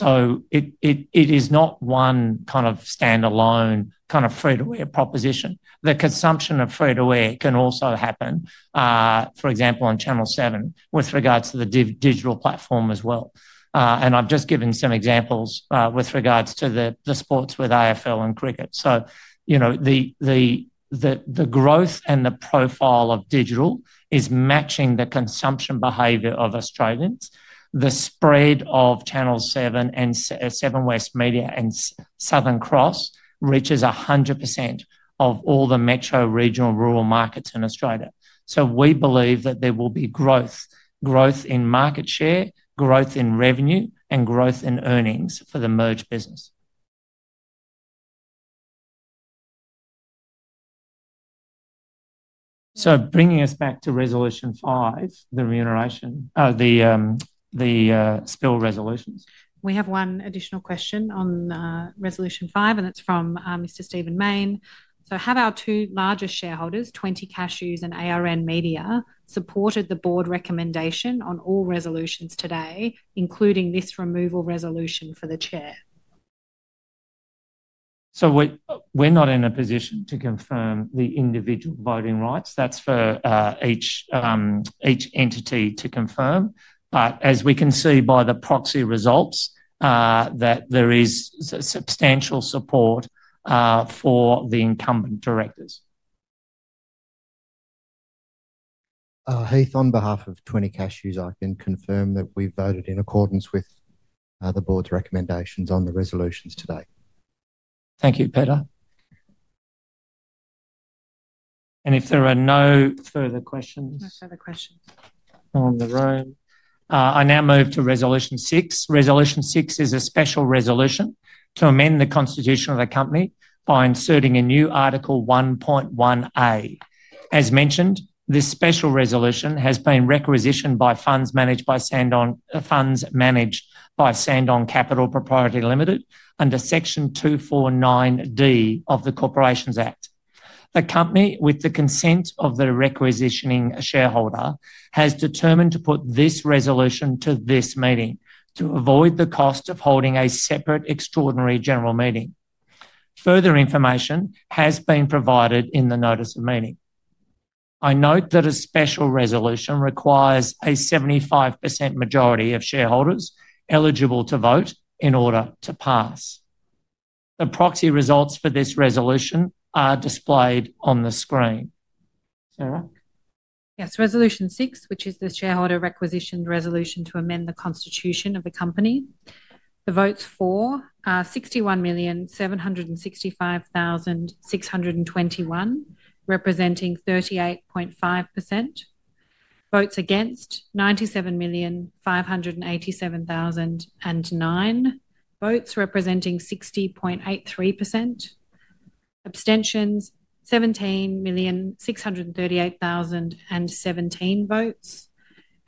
It is not one kind of standalone kind of free-to-air proposition. The consumption of free-to-air can also happen, for example, on Channel 7 with regards to the digital platform as well. I have just given some examples with regards to the sports with AFL and cricket. The growth and the profile of digital is matching the consumption behavior of Australians. The spread of Channel 7 and Seven West Media and Southern Cross reaches 100% of all the metro, regional, rural markets in Australia. We believe that there will be growth: growth in market share, growth in revenue, and growth in earnings for the merged business. Bringing us back to resolution five, the remuneration—the spill resolutions. We have one additional question on resolution five, and it is from Mr. Stephen Mayne. Have our two largest shareholders, 20 Cashews and ARN Media, supported the board recommendation on all resolutions today, including this removal resolution for the chair? We are not in a position to confirm the individual voting rights. That is for each entity to confirm. As we can see by the proxy results, there is substantial support for the incumbent directors. Heith, on behalf of 20 Cashews, I can confirm that we voted in accordance with the board's recommendations on the resolutions today. Thank you, Peter. If there are no further questions—no further questions in the room, I now move to resolution six. Resolution six is a special resolution to amend the constitution of the company by inserting a new article 1.1A. As mentioned, this special resolution has been requisitioned by funds managed by Sandon Capital Proprietary Limited under section 249D of the Corporations Act. The company, with the consent of the requisitioning shareholder, has determined to put this resolution to this meeting to avoid the cost of holding a separate extraordinary general meeting. Further information has been provided in the notice of meeting. I note that a special resolution requires a 75% majority of shareholders eligible to vote in order to pass. The proxy results for this resolution are displayed on the screen. Sarah? Yes. Resolution six, which is the shareholder requisition resolution to amend the constitution of the company. The votes for are 61,765,621, representing 38.5%. Votes against: 97,587,009 votes, representing 60.83%. Abstentions: 17,638,017 votes.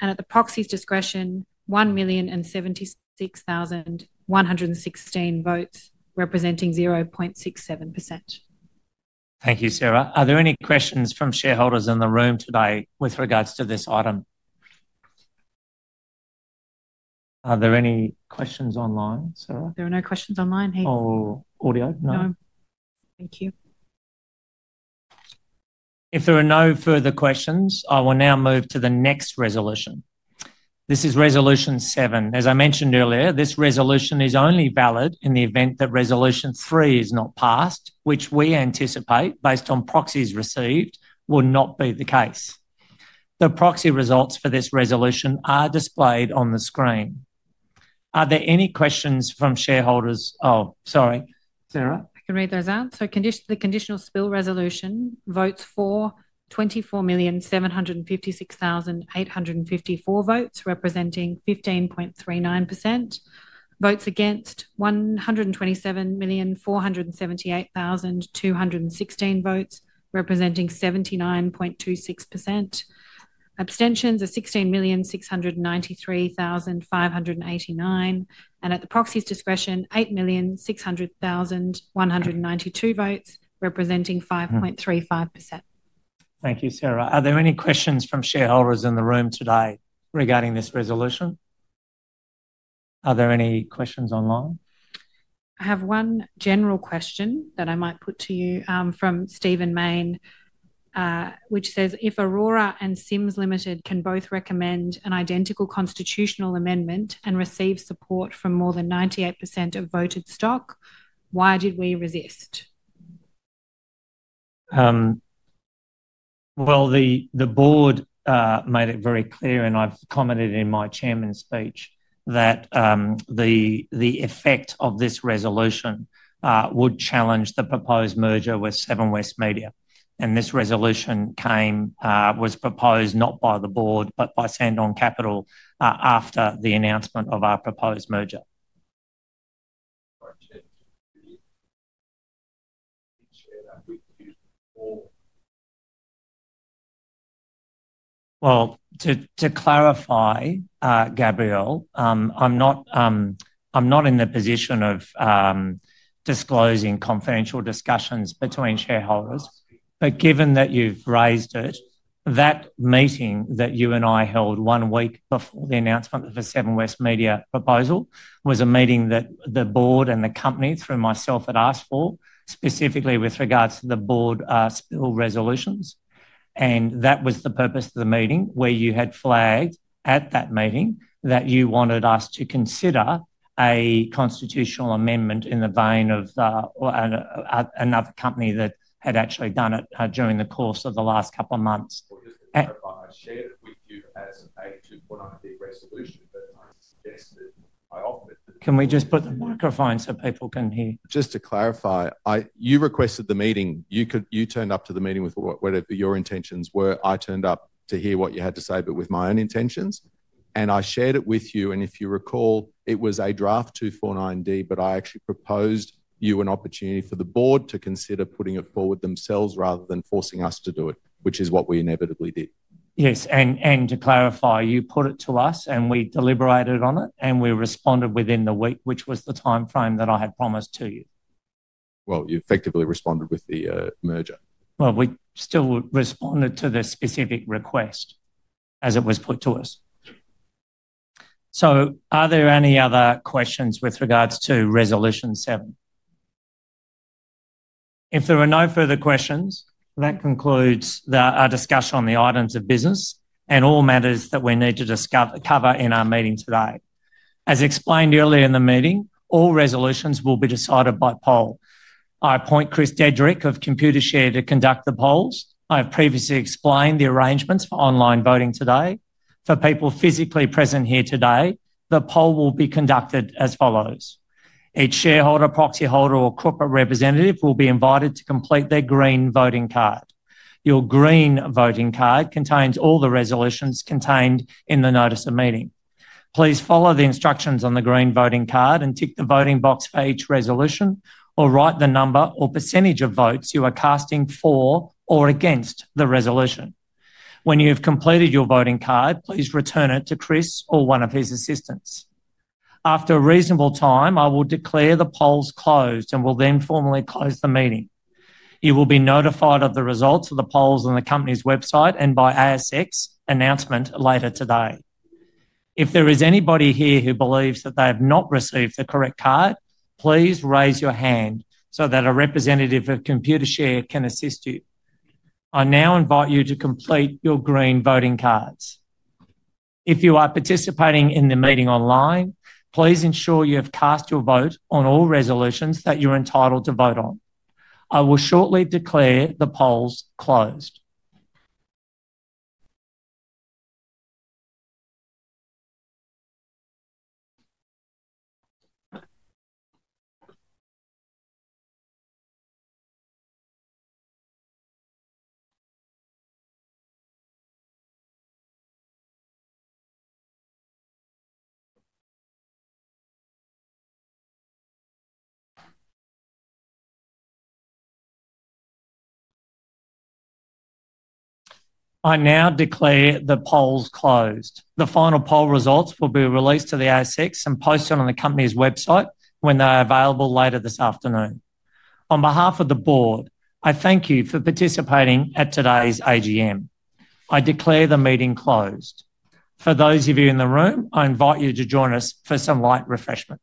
At the proxy's discretion, 1,076,116 votes, representing 0.67%. Thank you, Sarah. Are there any questions from shareholders in the room today with regards to this item? Are there any questions online, Sarah? There are no questions online, Heith. Audio? No. Thank you. If there are no further questions, I will now move to the next resolution. This is resolution seven. As I mentioned earlier, this resolution is only valid in the event that resolution three is not passed, which we anticipate, based on proxies received, will not be the case. The proxy results for this resolution are displayed on the screen. Are there any questions from shareholders? Oh, sorry. Sarah? I can read those out. So the conditional spill resolution votes for: 24,756,854 votes, representing 15.39%. Votes against: 127,478,216 votes, representing 79.26%. Abstentions: 16,693,589. At the proxy's discretion, 8,600,192 votes, representing 5.35%. Thank you, Sarah. Are there any questions from shareholders in the room today regarding this resolution? Are there any questions online? I have one general question that I might put to you from Stephen Mayne, which says, "If Aurora and Sims Limited can both recommend an identical constitutional amendment and receive support from more than 98% of voted stock, why did we resist?" The board made it very clear, and I've commented in my Chairman's speech, that the effect of this resolution would challenge the proposed merger with Seven West Media. This resolution was proposed not by the board, but by Sandon Capital after the announcement of our proposed merger. To clarify, Gabriel, I'm not in the position of disclosing confidential discussions between shareholders. Given that you've raised it, that meeting that you and I held one week before the announcement of the Seven West Media proposal was a meeting that the board and the company, through myself, had asked for, specifically with regards to the board spill resolutions. That was the purpose of the meeting, where you had flagged at that meeting that you wanted us to consider a constitutional amendment in the vein of another company that had actually done it during the course of the last couple of months. Just to clarify, I shared it with you as a 249D resolution that I suggested. I offered it to— can we just put the microphones so people can hear? Just to clarify, you requested the meeting. You turned up to the meeting with whatever your intentions were. I turned up to hear what you had to say, but with my own intentions. I shared it with you. If you recall, it was a draft 249D, but I actually proposed to you an opportunity for the board to consider putting it forward themselves rather than forcing us to do it, which is what we inevitably did. Yes. To clarify, you put it to us, we deliberated on it, and we responded within the week, which was the timeframe that I had promised to you. You effectively responded with the merger. We still responded to the specific request as it was put to us. Are there any other questions with regards to resolution seven? If there are no further questions, that concludes our discussion on the items of business and all matters that we need to cover in our meeting today. As explained earlier in the meeting, all resolutions will be decided by poll. I appoint Chris Dedrick of Computershare to conduct the polls. I have previously explained the arrangements for online voting today. For people physically present here today, the poll will be conducted as follows. Each shareholder, proxy holder, or corporate representative will be invited to complete their green voting card. Your green voting card contains all the resolutions contained in the notice of meeting. Please follow the instructions on the green voting card and tick the voting box for each resolution or write the number or % of votes you are casting for or against the resolution. When you have completed your voting card, please return it to Chris or one of his assistants. After a reasonable time, I will declare the polls closed and will then formally close the meeting. You will be notified of the results of the polls on the company's website and by ASX announcement later today. If there is anybody here who believes that they have not received the correct card, please raise your hand so that a representative of Computershare can assist you. I now invite you to complete your green voting cards. If you are participating in the meeting online, please ensure you have cast your vote on all resolutions that you're entitled to vote on. I will shortly declare the polls closed. I now declare the polls closed. The final poll results will be released to the ASX and posted on the company's website when they are available later this afternoon. On behalf of the board, I thank you for participating at today's AGM. I declare the meeting closed. For those of you in the room, I invite you to join us for some light refreshments.